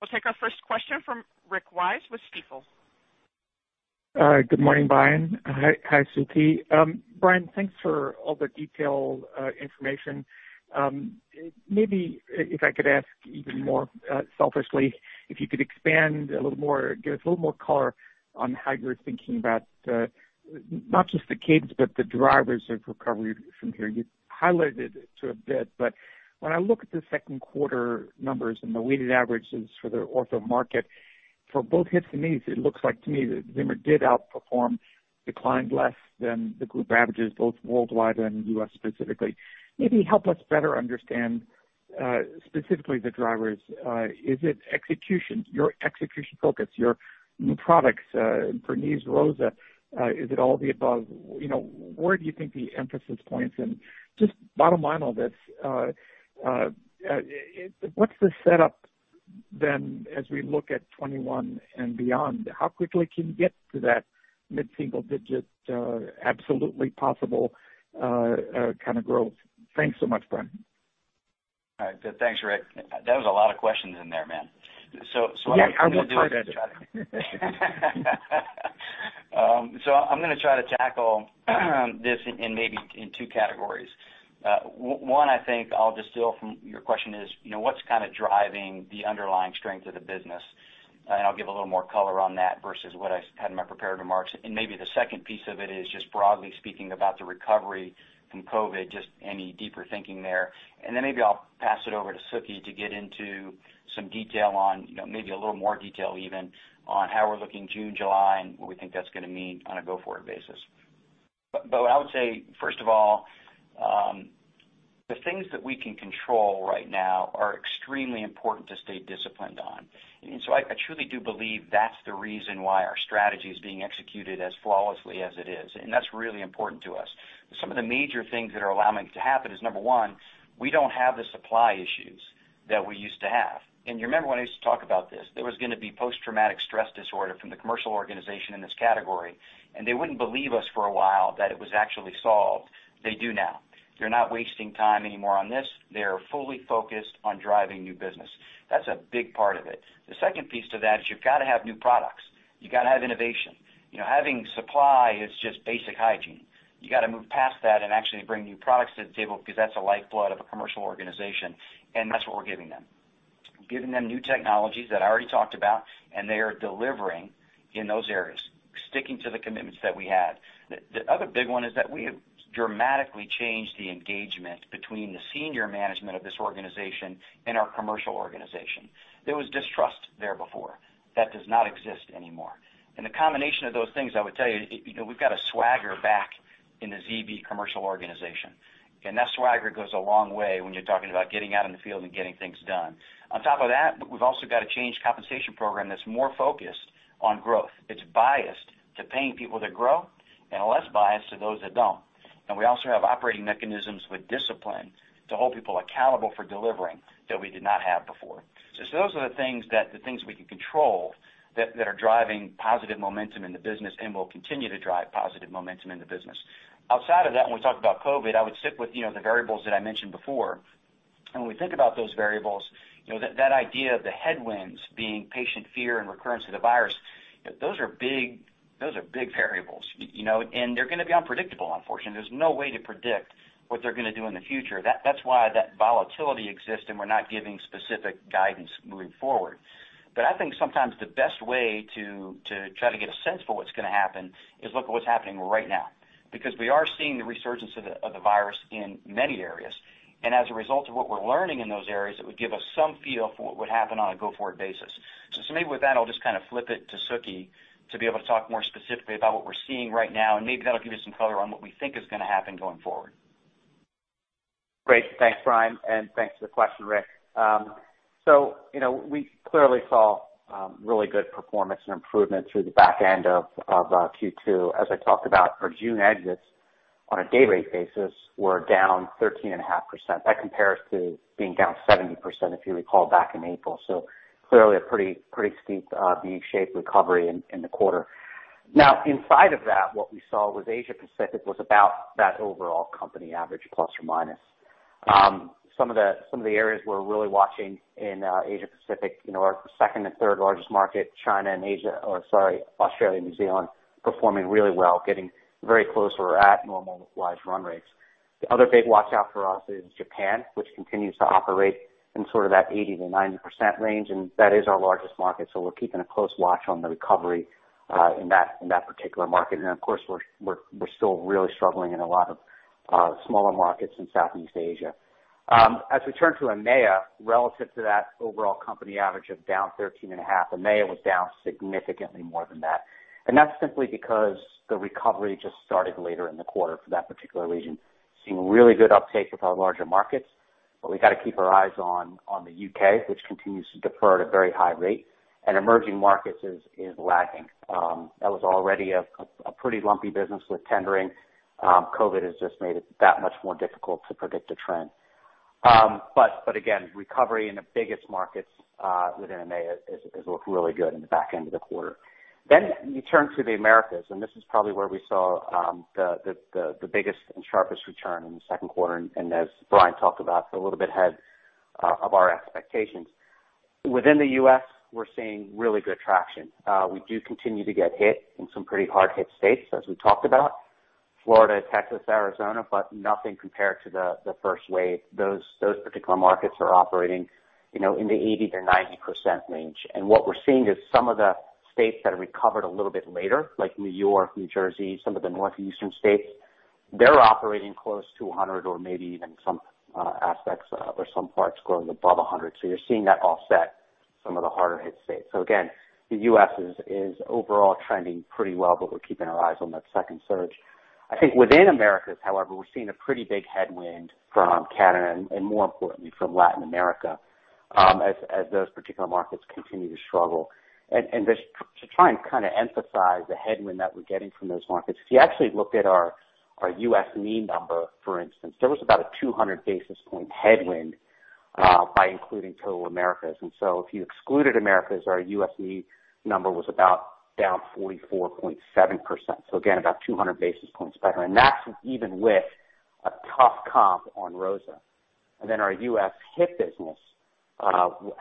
We'll take our first question from Rick Wise with Stifel. Good morning, Bryan. Hi, Suky. Bryan, thanks for all the detailed information. Maybe, if I could ask even more selfishly, if you could expand a little more, give us a little more color on how you're thinking about not just the cadence, but the drivers of recovery from here. You highlighted it to a bit, but when I look at the second quarter numbers and the weighted averages for the ortho market, for both hips and knees, it looks like to me that Zimmer Biomet did outperform, declined less than the group averages, both worldwide and U.S. specifically. Maybe help us better understand specifically the drivers. Is it execution, your execution focus, your new products for knees, ROSA? Is it all the above? Where do you think the emphasis points? Just bottom line on this, what's the setup then as we look at 2021 and beyond? How quickly can you get to that mid-single-digit, absolutely possible kind of growth? Thanks so much, Bryan. Thanks, Rick. That was a lot of questions in there, man. I am going to try to tackle this in maybe two categories. One, I think I'll just steal from your question is, what's kind of driving the underlying strength of the business? I'll give a little more color on that versus what I had in my prepared remarks. Maybe the second piece of it is just broadly speaking about the recovery from COVID, just any deeper thinking there. Then maybe I'll pass it over to Suky to get into some detail on maybe a little more detail even on how we're looking June, July, and what we think that's going to mean on a go-forward basis. I would say, first of all, the things that we can control right now are extremely important to stay disciplined on. I truly do believe that's the reason why our strategy is being executed as flawlessly as it is. That's really important to us. Some of the major things that are allowing it to happen is, number one, we don't have the supply issues that we used to have. You remember when I used to talk about this, there was going to be post-traumatic stress disorder from the commercial organization in this category. They wouldn't believe us for a while that it was actually solved. They do now. They're not wasting time anymore on this. They're fully focused on driving new business. That's a big part of it. The second piece to that is you've got to have new products. You've got to have innovation. Having supply is just basic hygiene. You've got to move past that and actually bring new products to the table because that's a lifeblood of a commercial organization. That's what we're giving them. Giving them new technologies that I already talked about, and they are delivering in those areas, sticking to the commitments that we had. The other big one is that we have dramatically changed the engagement between the senior management of this organization and our commercial organization. There was distrust there before. That does not exist anymore. The combination of those things, I would tell you, we've got a swagger back in the ZB commercial organization. That swagger goes a long way when you're talking about getting out in the field and getting things done. On top of that, we've also got a changed compensation program that's more focused on growth. It's biased to paying people to grow and less biased to those that don't. We also have operating mechanisms with discipline to hold people accountable for delivering that we did not have before. Those are the things that we can control that are driving positive momentum in the business and will continue to drive positive momentum in the business. Outside of that, when we talk about COVID, I would stick with the variables that I mentioned before. When we think about those variables, that idea of the headwinds being patient fear and recurrence of the virus, those are big variables. They're going to be unpredictable, unfortunately. There's no way to predict what they're going to do in the future. That's why that volatility exists and we're not giving specific guidance moving forward. I think sometimes the best way to try to get a sense for what's going to happen is look at what's happening right now because we are seeing the resurgence of the virus in many areas. As a result of what we're learning in those areas, it would give us some feel for what would happen on a go-forward basis. Maybe with that, I'll just kind of flip it to Suky to be able to talk more specifically about what we're seeing right now. Maybe that'll give you some color on what we think is going to happen going forward. Great.Thanks, Bryan. Thanks for the question, Rick. We clearly saw really good performance and improvement through the back end of Q2. As I talked about, our June exits on a day-to-day basis were down 13.5%. That compares to being down 70%, if you recall, back in April. Clearly a pretty steep V-shaped recovery in the quarter. Now, inside of that, what we saw was Asia-Pacific was about that overall company average, plus or minus. Some of the areas we're really watching in Asia-Pacific are the second and third largest market, China and Australia and New Zealand, performing really well, getting very close to where we're at, normal-wise run rates. The other big watch-out for us is Japan, which continues to operate in sort of that 80% to 90% range. That is our largest market. We're keeping a close watch on the recovery in that particular market. Of course, we're still really struggling in a lot of smaller markets in Southeast Asia. As we turn to EMEA, relative to that overall company average of down 13.5%, EMEA was down significantly more than that. That is simply because the recovery just started later in the quarter for that particular region. Seeing really good uptake with our larger markets. We have to keep our eyes on the U.K., which continues to defer at a very high rate. Emerging markets are lagging. That was already a pretty lumpy business with tendering. COVID has just made it that much more difficult to predict a trend. Again, recovery in the biggest markets within EMEA has looked really good in the back end of the quarter. You turn to the Americas. This is probably where we saw the biggest and sharpest return in the second quarter. As Bryan talked about, a little bit ahead of our expectations. Within the U.S., we're seeing really good traction. We do continue to get hit in some pretty hard-hit states, as we talked about, Florida, Texas, Arizona, but nothing compared to the first wave. Those particular markets are operating in the 80-90% range. What we're seeing is some of the states that have recovered a little bit later, like New York, New Jersey, some of the Northeastern states, they're operating close to 100% or maybe even some aspects or some parts growing above 100%. You're seeing that offset some of the harder-hit states. The U.S. is overall trending pretty well, but we're keeping our eyes on that second surge. I think within Americas, however, we're seeing a pretty big headwind from Canada and, more importantly, from Latin America as those particular markets continue to struggle. To try and kind of emphasize the headwind that we're getting from those markets, if you actually look at our U.S. knee number, for instance, there was about a 200 basis point headwind by including total Americas. If you excluded Americas, our U.S. knee number was about down 44.7%. Again, about 200 basis points better. That's even with a tough comp on ROSA. Our U.S. hip business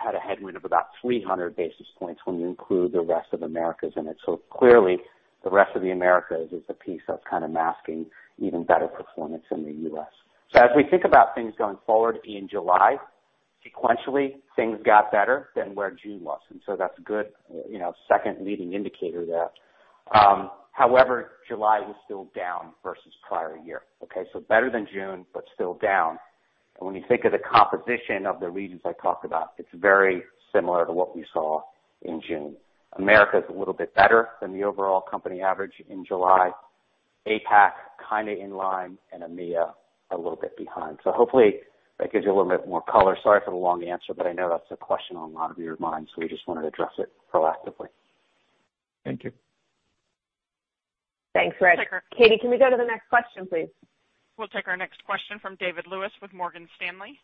had a headwind of about 300 basis points when you include the rest of Americas in it. Clearly, the rest of the Americas is a piece that's kind of masking even better performance in the U.S. As we think about things going forward in July, sequentially, things got better than where June was. That's a good second leading indicator there. However, July was still down versus prior year. Okay? Better than June, but still down. When you think of the composition of the regions I talked about, it's very similar to what we saw in June. Americas is a little bit better than the overall company average in July. APAC kind of in line and EMEA a little bit behind. Hopefully, that gives you a little bit more color. Sorry for the long answer, but I know that's a question on a lot of your minds, so we just wanted to address it proactively. Thank you. Thanks, Rick. Katie, can we go to the next question, please? We'll take our next question from David Lewis with Morgan Stanley.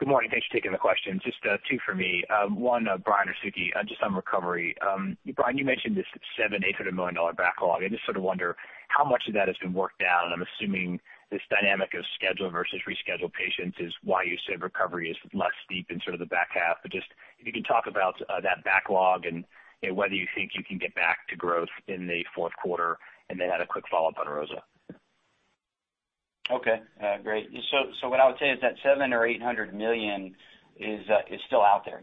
Good morning. Thanks for taking the question. Just two for me. One, Bryan or Suky, just on recovery. Bryan, you mentioned this $700-$800 million backlog. I just sort of wonder how much of that has been worked out. I'm assuming this dynamic of scheduled versus rescheduled patients is why you said recovery is less steep in sort of the back half. If you can talk about that backlog and whether you think you can get back to growth in the fourth quarter and then add a quick follow-up on ROSA. Okay. Great. What I would say is that $700 million or $800 million is still out there.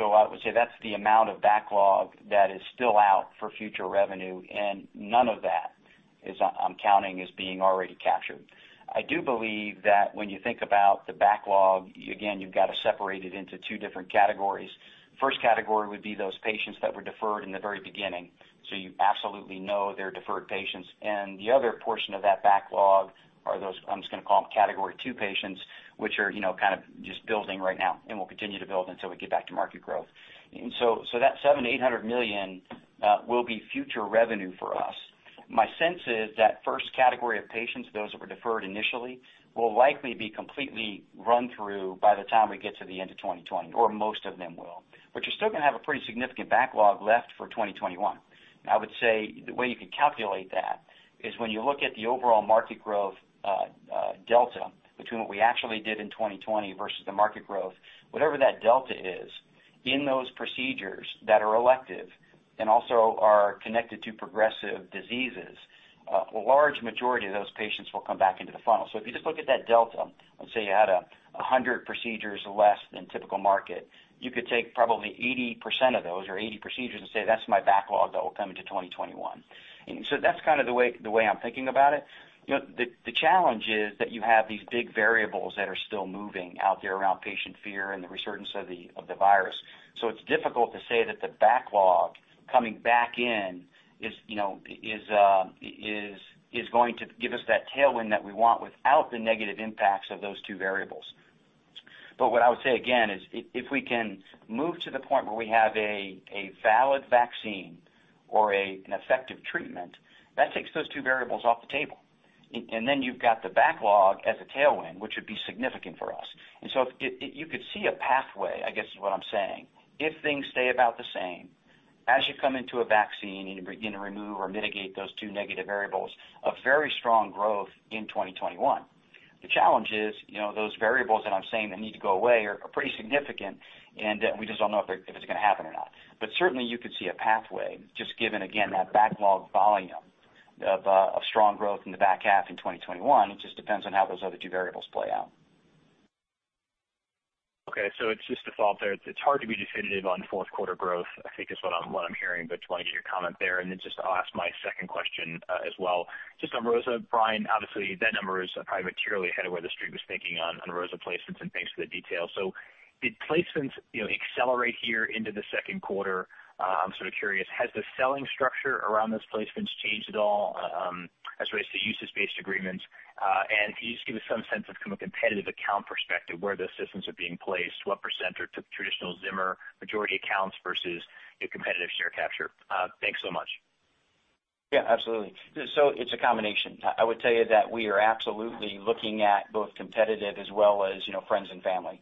I would say that's the amount of backlog that is still out for future revenue. None of that, I'm counting, is being already captured. I do believe that when you think about the backlog, again, you've got to separate it into two different categories. First category would be those patients that were deferred in the very beginning. You absolutely know they're deferred patients. The other portion of that backlog are those, I'm just going to call them category two patients, which are kind of just building right now and will continue to build until we get back to market growth. That $700 million-$800 million will be future revenue for us. My sense is that first category of patients, those that were deferred initially, will likely be completely run through by the time we get to the end of 2020, or most of them will, but you're still going to have a pretty significant backlog left for 2021. I would say the way you can calculate that is when you look at the overall market growth delta between what we actually did in 2020 versus the market growth, whatever that delta is in those procedures that are elective and also are connected to progressive diseases, a large majority of those patients will come back into the funnel. If you just look at that delta, let's say you had 100 procedures less than typical market, you could take probably 80% of those or 80 procedures and say, "That's my backlog that will come into 2021." That is kind of the way I'm thinking about it. The challenge is that you have these big variables that are still moving out there around patient fear and the resurgence of the virus. It's difficult to say that the backlog coming back in is going to give us that tailwind that we want without the negative impacts of those two variables. What I would say again is if we can move to the point where we have a valid vaccine or an effective treatment, that takes those two variables off the table. Then you've got the backlog as a tailwind, which would be significant for us. You could see a pathway, I guess is what I'm saying, if things stay about the same as you come into a vaccine and begin to remove or mitigate those two negative variables, a very strong growth in 2021. The challenge is those variables that I'm saying that need to go away are pretty significant. We just don't know if it's going to happen or not. Certainly, you could see a pathway just given, again, that backlog volume of strong growth in the back half in 2021. It just depends on how those other two variables play out. Okay. It is just a thought there. It is hard to be definitive on fourth quarter growth, I think is what I am hearing, but just want to get your comment there. I will ask my second question as well. Just on ROSA, Bryan, obviously, that number is probably materially ahead of where the Street was thinking on ROSA placements and thanks for the details. Did placements accelerate here into the second quarter? I am sort of curious. Has the selling structure around those placements changed at all as it relates to usage-based agreements? Can you just give us some sense from a competitive account perspective where those systems are being placed? What % are traditional Zimmer majority accounts versus competitive share capture? Thanks so much. Yeah, absolutely. It is a combination. I would tell you that we are absolutely looking at both competitive as well as friends and family.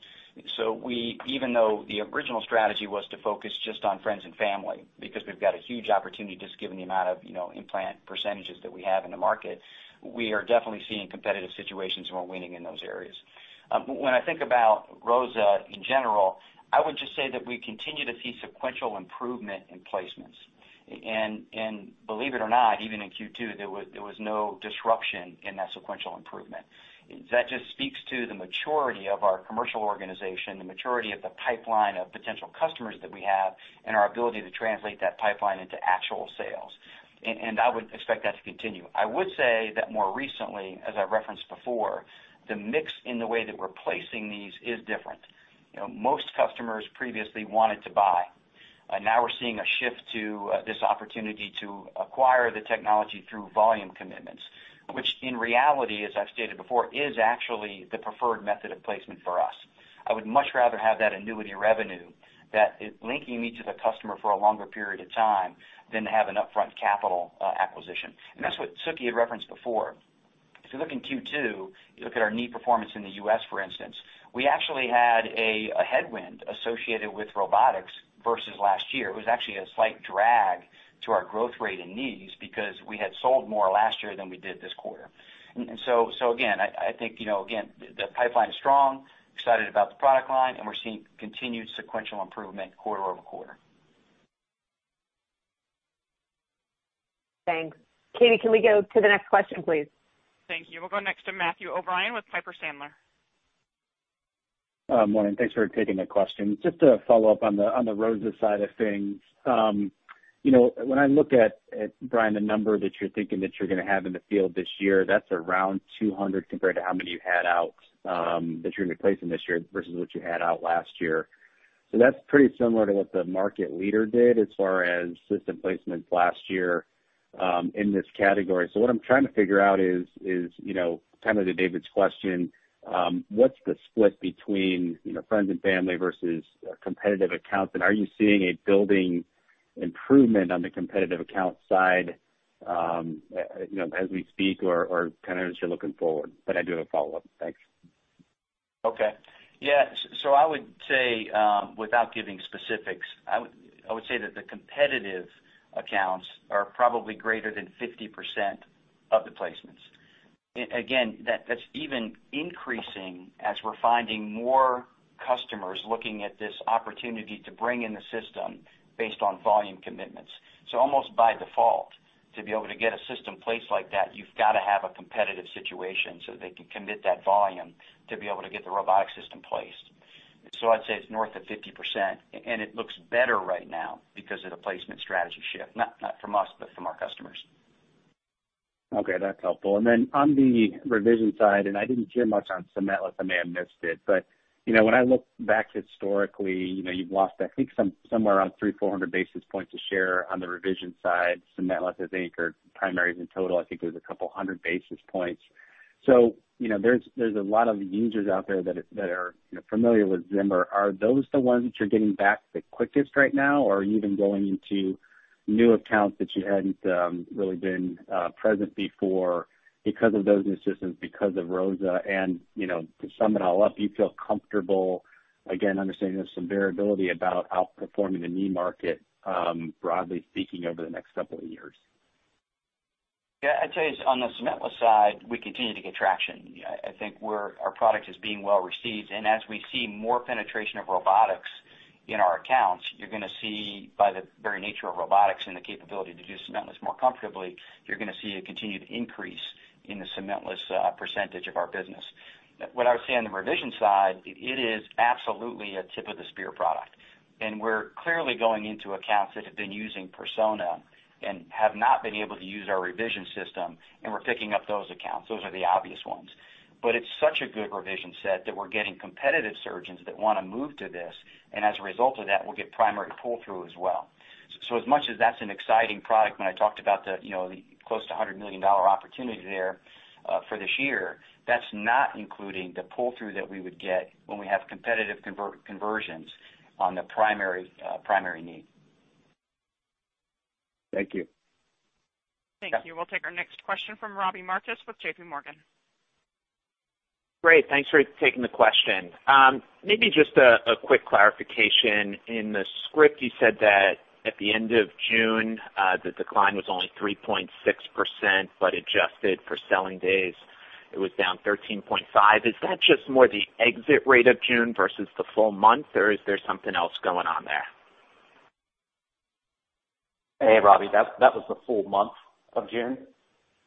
Even though the original strategy was to focus just on friends and family because we have a huge opportunity just given the amount of implant % that we have in the market, we are definitely seeing competitive situations and we are winning in those areas. When I think about ROSA in general, I would just say that we continue to see sequential improvement in placements. Believe it or not, even in Q2, there was no disruption in that sequential improvement. That just speaks to the maturity of our commercial organization, the maturity of the pipeline of potential customers that we have, and our ability to translate that pipeline into actual sales. I would expect that to continue. I would say that more recently, as I referenced before, the mix in the way that we're placing these is different. Most customers previously wanted to buy. Now we're seeing a shift to this opportunity to acquire the technology through volume commitments, which in reality, as I've stated before, is actually the preferred method of placement for us. I would much rather have that annuity revenue that is linking me to the customer for a longer period of time than to have an upfront capital acquisition. That is what Suky had referenced before. If you look in Q2, you look at our knee performance in the U.S., for instance, we actually had a headwind associated with robotics versus last year. It was actually a slight drag to our growth rate in knees because we had sold more last year than we did this quarter. I think, again, the pipeline is strong, excited about the product line, and we're seeing continued sequential improvement quarter over quarter. Thanks. Katie, can we go to the next question, please? Thank you. We'll go next to Matthew O'Brien with Piper Sandler. Morning. Thanks for taking the question. Just to follow up on the ROSA side of things. When I look at, Bryan, the number that you're thinking that you're going to have in the field this year, that's around 200 compared to how many you had out that you're going to be placing this year versus what you had out last year. That's pretty similar to what the market leader did as far as system placements last year in this category. What I'm trying to figure out is kind of to David's question, what's the split between friends and family versus competitive accounts? Are you seeing a building improvement on the competitive account side as we speak or kind of as you're looking forward? I do have a follow-up. Thanks. Okay. Yeah. I would say, without giving specifics, I would say that the competitive accounts are probably greater than 50% of the placements. Again, that's even increasing as we're finding more customers looking at this opportunity to bring in the system based on volume commitments. Almost by default, to be able to get a system placed like that, you've got to have a competitive situation so they can commit that volume to be able to get the robotic system placed. I'd say it's north of 50%. It looks better right now because of the placement strategy shift, not from us, but from our customers. Okay. That's helpful. On the revision side, I did not hear much on Cementless. I may have missed it. When I look back historically, you've lost, I think, somewhere around 3,400 basis points a share on the revision side. Cementless has anchored primaries in total. I think it was a couple hundred basis points. There are a lot of users out there that are familiar with Zimmer. Are those the ones that you're getting back the quickest right now, or are you even going into new accounts that you had not really been present before because of those new systems, because of ROSA? To sum it all up, you feel comfortable, again, understanding there's some variability about outperforming the knee market, broadly speaking, over the next couple of years? Yeah. I'd say on the Cementless side, we continue to get traction. I think our product is being well received. As we see more penetration of robotics in our accounts, you're going to see, by the very nature of robotics and the capability to do Cementless more comfortably, you're going to see a continued increase in the Cementless percentage of our business. What I would say on the revision side, it is absolutely a tip of the spear product. We're clearly going into accounts that have been using Persona and have not been able to use our revision system, and we're picking up those accounts. Those are the obvious ones. It is such a good revision set that we're getting competitive surgeons that want to move to this. As a result of that, we'll get primary pull-through as well. As much as that's an exciting product, when I talked about the close to $100 million opportunity there for this year, that's not including the pull-through that we would get when we have competitive conversions on the primary knee. Thank you. Thank you. We'll take our next question from Robbie Marcus with JP Morgan. Great. Thanks for taking the question. Maybe just a quick clarification. In the script, you said that at the end of June, the decline was only 3.6%, but adjusted for selling days, it was down 13.5%. Is that just more the exit rate of June versus the full month, or is there something else going on there? Hey, Robbie, that was the full month of June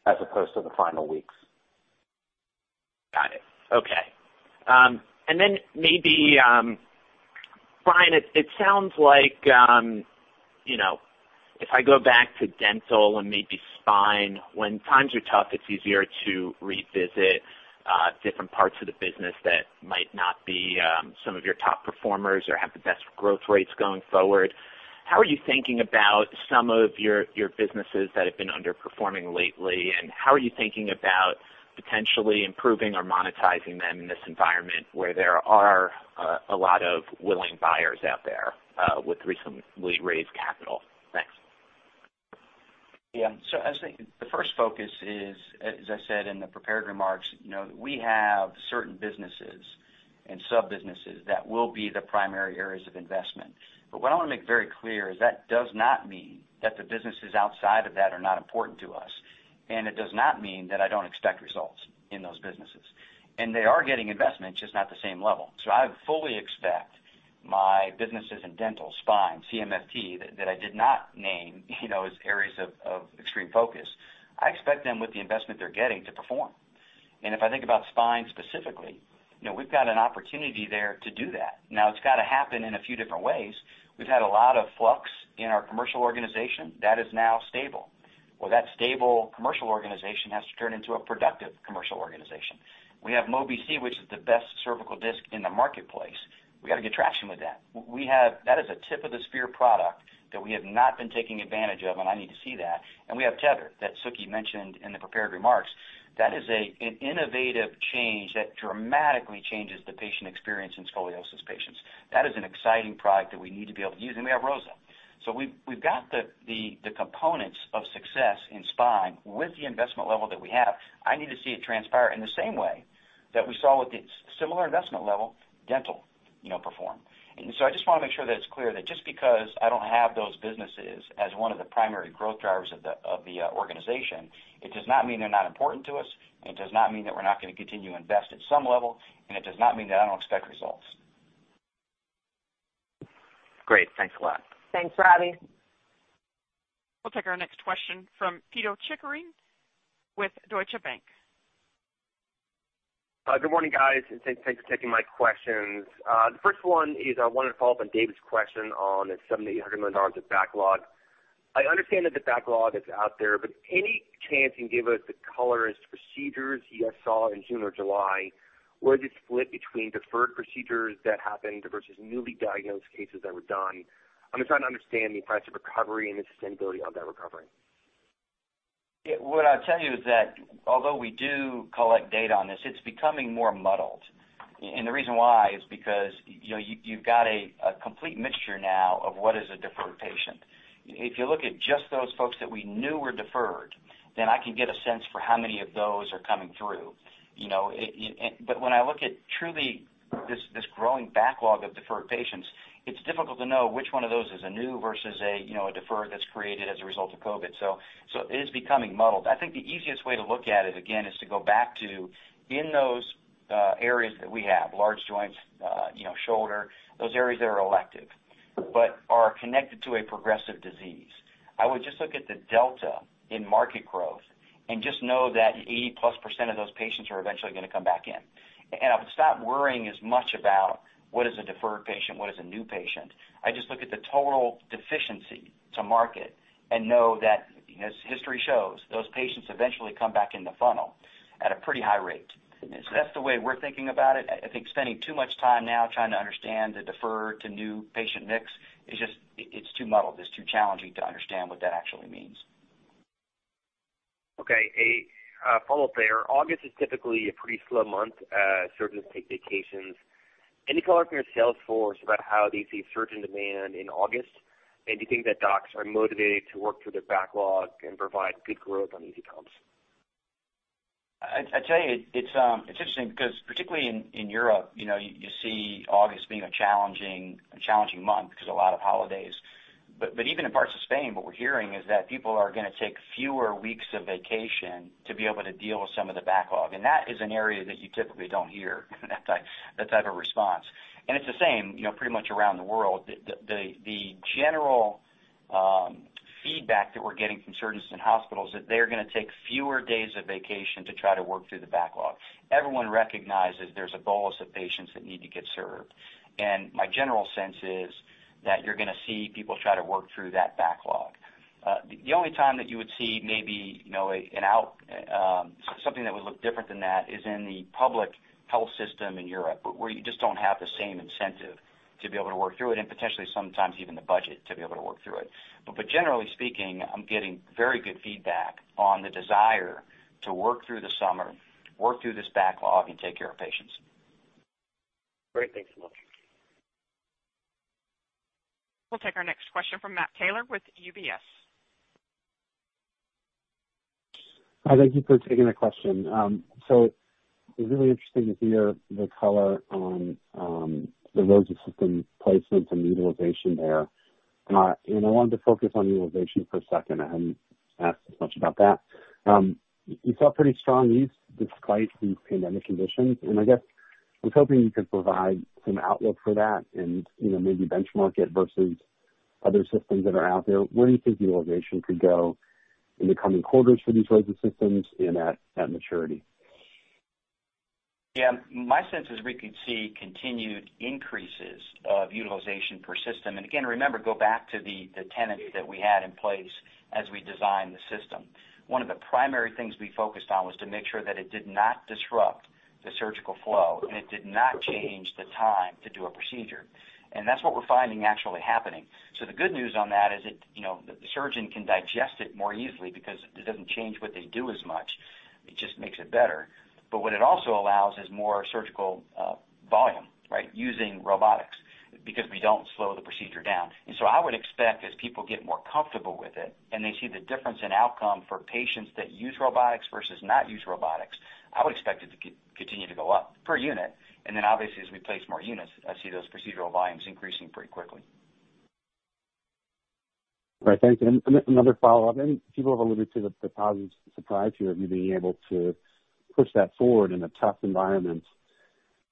as opposed to the final weeks. Got it. Okay. Maybe, Bryan, it sounds like if I go back to Dental and maybe Spine, when times are tough, it's easier to revisit different parts of the business that might not be some of your top performers or have the best growth rates going forward. How are you thinking about some of your businesses that have been underperforming lately? How are you thinking about potentially improving or monetizing them in this environment where there are a lot of willing buyers out there with recently raised capital? Thanks. Yeah. I think the first focus is, as I said in the prepared remarks, we have certain businesses and sub-businesses that will be the primary areas of investment. What I want to make very clear is that does not mean that the businesses outside of that are not important to us. It does not mean that I do not expect results in those businesses. They are getting investment, just not the same level. I fully expect my businesses in Dental, Spine, CMFT, that I did not name as areas of extreme focus. I expect them with the investment they are getting to perform. If I think about Spine specifically, we have got an opportunity there to do that. It has got to happen in a few different ways. We have had a lot of flux in our commercial organization. That is now stable. That stable commercial organization has to turn into a productive commercial organization. We have Mobi-C, which is the best cervical disc in the marketplace. We have got to gettraction with that. That is a tip of the spear product that we have not been taking advantage of, and I need to see that. We have Tether that Suky mentioned in the prepared remarks. That is an innovative change that dramatically changes the patient experience in scoliosis patients. That is an exciting product that we need to be able to use. We have ROSA. We have got the components of success in Spine with the investment level that we have. I need to see it transpire in the same way that we saw with the similar investment level dental perform. I just want to make sure that it is clear that just because I do not have those businesses as one of the primary growth drivers of the organization, it does not mean they are not important to us. It does not mean that we're not going to continue to invest at some level. It does not mean that I don't expect results. Great. Thanks a lot. Thanks, Robbie. We'll take our next question from Pito Chickering with Deutsche Bank. Good morning, guys. Thanks for taking my questions. The first one is I wanted to follow up on David's question on the $7,800 million of backlog. I understand that the backlog is out there, but any chance you can give us the color on procedures you saw in June or July, where did it split between deferred procedures that happened versus newly diagnosed cases that were done? I'm just trying to understand the price of recovery and the sustainability of that recovery. What I'll tell you is that although we do collect data on this, it's becoming more muddled. The reason why is because you've got a complete mixture now of what is a deferred patient. If you look at just those folks that we knew were deferred, then I can get a sense for how many of those are coming through. But when I look at truly this growing backlog of deferred patients, it's difficult to know which one of those is a new versus a deferred that's created as a result of COVID. It is becoming muddled. I think the easiest way to look at it, again, is to go back to in those areas that we have, large joints, shoulder, those areas that are elective, but are connected to a progressive disease. I would just look at the delta in market growth and just know that 80+% of those patients are eventually going to come back in. I would stop worrying as much about what is a deferred patient, what is a new patient. I just look at the total deficiency to market and know that, as history shows, those patients eventually come back in the funnel at a pretty high rate. That is the way we are thinking about it. I think spending too much time now trying to understand the deferred to new patient mix is just too muddled. It is too challenging to understand what that actually means. Okay. A follow-up there. August is typically a pretty slow month. Surgeons take vacations. Any thoughts from your sales force about how they see surgeon demand in August? Do you think that docs are motivated to work through their backlog and provide good growth on easy comps? I tell you, it's interesting because particularly in Europe, you see August being a challenging month because of a lot of holidays. Even in parts of Spain, what we're hearing is that people are going to take fewer weeks of vacation to be able to deal with some of the backlog. That is an area that you typically don't hear that type of response. It's the same pretty much around the world. The general feedback that we're getting from surgeons and hospitals is that they're going to take fewer days of vacation to try to work through the backlog. Everyone recognizes there's a bolus of patients that need to get served. My general sense is that you're going to see people try to work through that backlog. The only time that you would see maybe something that would look different than that is in the public health system in Europe, where you just do not have the same incentive to be able to work through it and potentially sometimes even the budget to be able to work through it. Generally speaking, I am getting very good feedback on the desire to work through the summer, work through this backlog, and take care of patients. Great. Thanks so much. We will take our next question from Matt Taylor with UBS. Hi. Thank you for taking the question. It is really interesting to hear the color on the ROSA system placements and the utilization there. I wanted to focus on utilization for a second. I had not asked as much about that. You saw pretty strong use despite these pandemic conditions. I guess I was hoping you could provide some outlook for that and maybe benchmark it versus other systems that are out there. Where do you think utilization could go in the coming quarters for these ROSA systems and at maturity? Yeah. My sense is we could see continued increases of utilization per system. Again, remember, go back to the tenets that we had in place as we designed the system. One of the primary things we focused on was to make sure that it did not disrupt the surgical flow and it did not change the time to do a procedure. That is what we are finding actually happening. The good news on that is that the surgeon can digest it more easily because it does not change what they do as much. It just makes it better. What it also allows is more surgical volume, right, using robotics because we do not slow the procedure down. I would expect as people get more comfortable with it and they see the difference in outcome for patients that use robotics versus not use robotics, I would expect it to continue to go up per unit. Obviously, as we place more units, I see those procedural volumes increasing pretty quickly. Right. Thanks. Another follow-up. People have alluded to the positive surprise here of you being able to push that forward in a tough environment.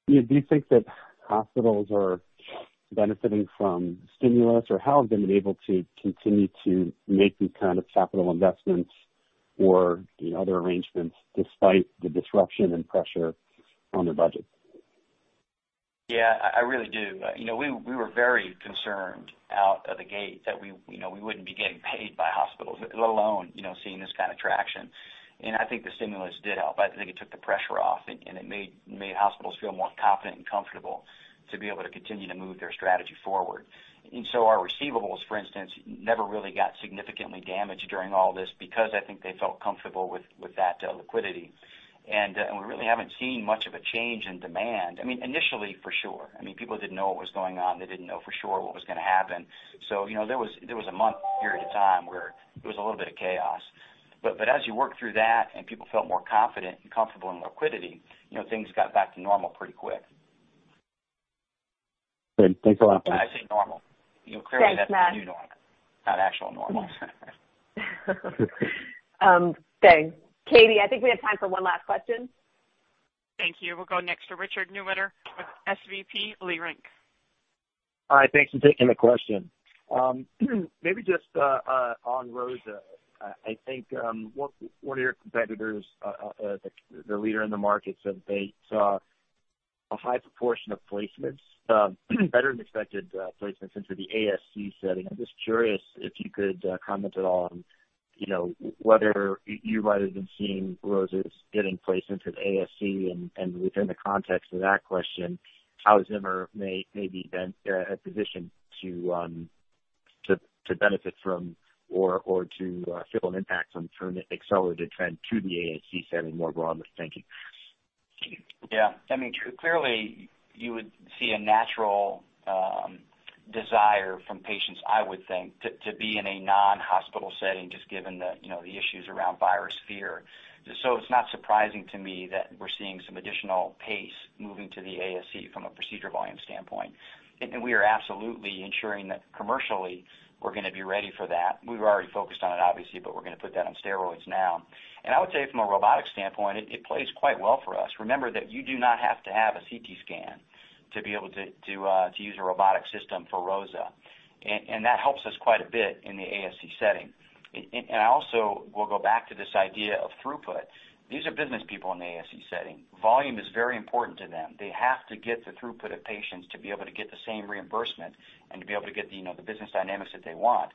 Do you think that hospitals are benefiting from stimulus, or how have they been able to continue to make these kinds of capital investments or other arrangements despite the disruption and pressure on their budget? Yeah. I really do. We were very concerned out of the gate that we wouldn't be getting paid by hospitals, let alone seeing this kind of traction. I think the stimulus did help. I think it took the pressure off, and it made hospitals feel more confident and comfortable to be able to continue to move their strategy forward. Our receivables, for instance, never really got significantly damaged during all this because I think they felt comfortable with that liquidity. We really haven't seen much of a change in demand. I mean, initially, for sure. I mean, people didn't know what was going on. They didn't know for sure what was going to happen. There was a month period of time where it was a little bit of chaos. As you work through that and people felt more confident and comfortable in liquidity, things got back to normal pretty quick. Good. Thanks a lot. I say normal. Clearly, that's the new normal, not actual normal. Thanks. Katie, I think we have time for one last question. Thank you. We'll go next to Richard Newitter with SVB Leerink. Hi. Thanks for taking the question. Maybe just on ROSA, I think one of your competitors, the leader in the market, said that they saw a high proportion of placements, better than expected placements into the ASC setting. I'm just curious if you could comment at all on whether you might have been seeing ROSA getting placed into the ASC, and within the context of that question, how Zimmer may be in a position to benefit from or to feel an impact from an accelerated trend to the ASC setting more broadly. Thank you. Yeah. I mean, clearly, you would see a natural desire from patients, I would think, to be in a non-hospital setting just given the issues around virus fear. It is not surprising to me that we're seeing some additional pace moving to the ASC from a procedure volume standpoint. We are absolutely ensuring that commercially we're going to be ready for that. We were already focused on it, obviously, but we're going to put that on steroids now. I would say from a robotic standpoint, it plays quite well for us. Remember that you do not have to have a CT scan to be able to use a robotic system for ROSA. That helps us quite a bit in the ASC setting. I also will go back to this idea of throughput. These are business people in the ASC setting. Volume is very important to them. They have to get the throughput of patients to be able to get the same reimbursement and to be able to get the business dynamics that they want.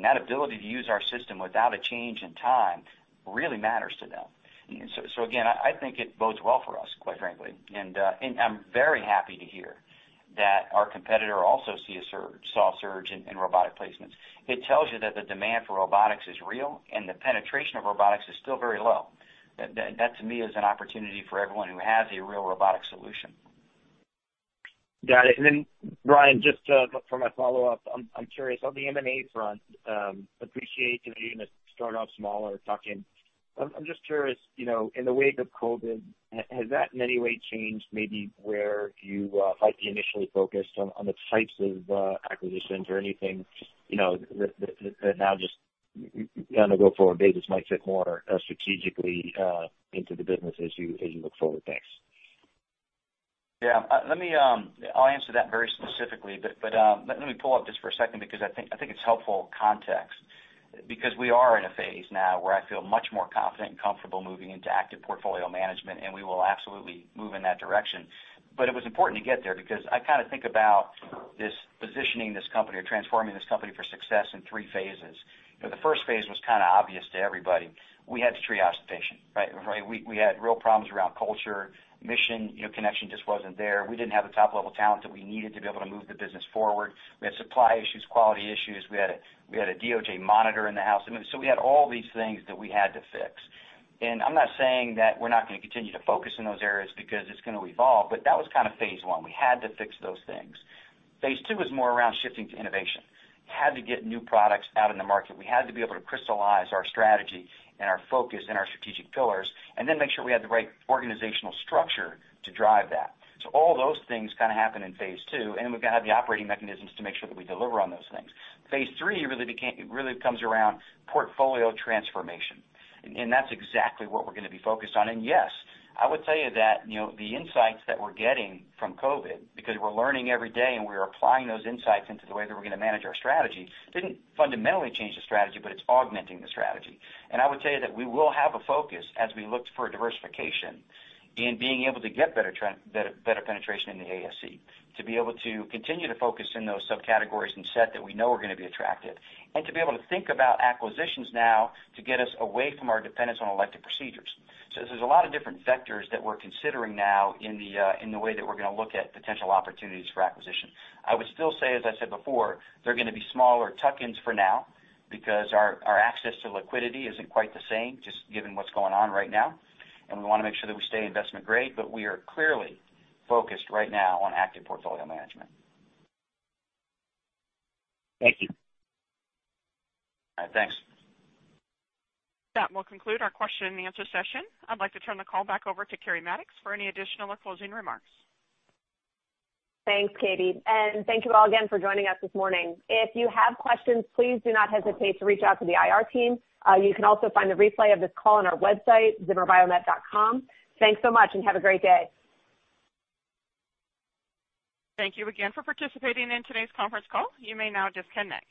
That ability to use our system without a change in time really matters to them. Again, I think it bodes well for us, quite frankly. I am very happy to hear that our competitor also saw a surge in robotic placements. It tells you that the demand for robotics is real and the penetration of robotics is still very low. That, to me, is an opportunity for everyone who has a real robotic solution. Got it. Bryan, just from a follow-up, I'm curious. On the M&A front, appreciate you starting off smaller, talking. I'm just curious, in the wake of COVID, has that in any way changed maybe where you might be initially focused on the types of acquisitions or anything that now just kind of go forward, maybe this might fit more strategically into the business as you look forward? Thanks. Yeah. I'll answer that very specifically, but let me pull up just for a second because I think it's helpful context because we are in a phase now where I feel much more confident and comfortable moving into active portfolio management, and we will absolutely move in that direction. It was important to get there because I kind of think about this positioning this company or transforming this company for success in three phases. The first phase was kind of obvious to everybody. We had to triage the patient, right? We had real problems around culture, mission, connection just was not there. We did not have the top-level talent that we needed to be able to move the business forward. We had supply issues, quality issues. We had a DOJ monitor in the house. We had all these things that we had to fix. I am not saying that we are not going to continue to focus in those areas because it is going to evolve, but that was kind of phase one. We had to fix those things. Phase two was more around shifting to innovation. Had to get new products out in the market. We had to be able to crystallize our strategy and our focus and our strategic pillars and then make sure we had the right organizational structure to drive that. All those things kind of happened in phase two, and we've got to have the operating mechanisms to make sure that we deliver on those things. Phase three really comes around portfolio transformation, and that's exactly what we're going to be focused on. Yes, I would tell you that the insights that we're getting from COVID, because we're learning every day and we are applying those insights into the way that we're going to manage our strategy, did not fundamentally change the strategy, but it's augmenting the strategy. I would tell you that we will have a focus as we look for diversification in being able to get better penetration in the ASC, to be able to continue to focus in those subcategories and set that we know are going to be attractive, and to be able to think about acquisitions now to get us away from our dependence on elective procedures. There are a lot of different vectors that we're considering now in the way that we're going to look at potential opportunities for acquisition. I would still say, as I said before, they're going to be smaller tuck-ins for now because our access to liquidity isn't quite the same just given what's going on right now. We want to make sure that we stay investment-grade, but we are clearly focused right now on active portfolio management. Thank you. All right. Thanks. That will conclude our question and answer session. I'd like to turn the call back over to Keri Mattox for any additional or closing remarks. Thanks, Katie. Thank you all again for joining us this morning. If you have questions, please do not hesitate to reach out to the IR team. You can also find the replay of this call on our website, zimmerbiomet.com. Thanks so much and have a great day. Thank you again for participating in today's conference call. You may now disconnect.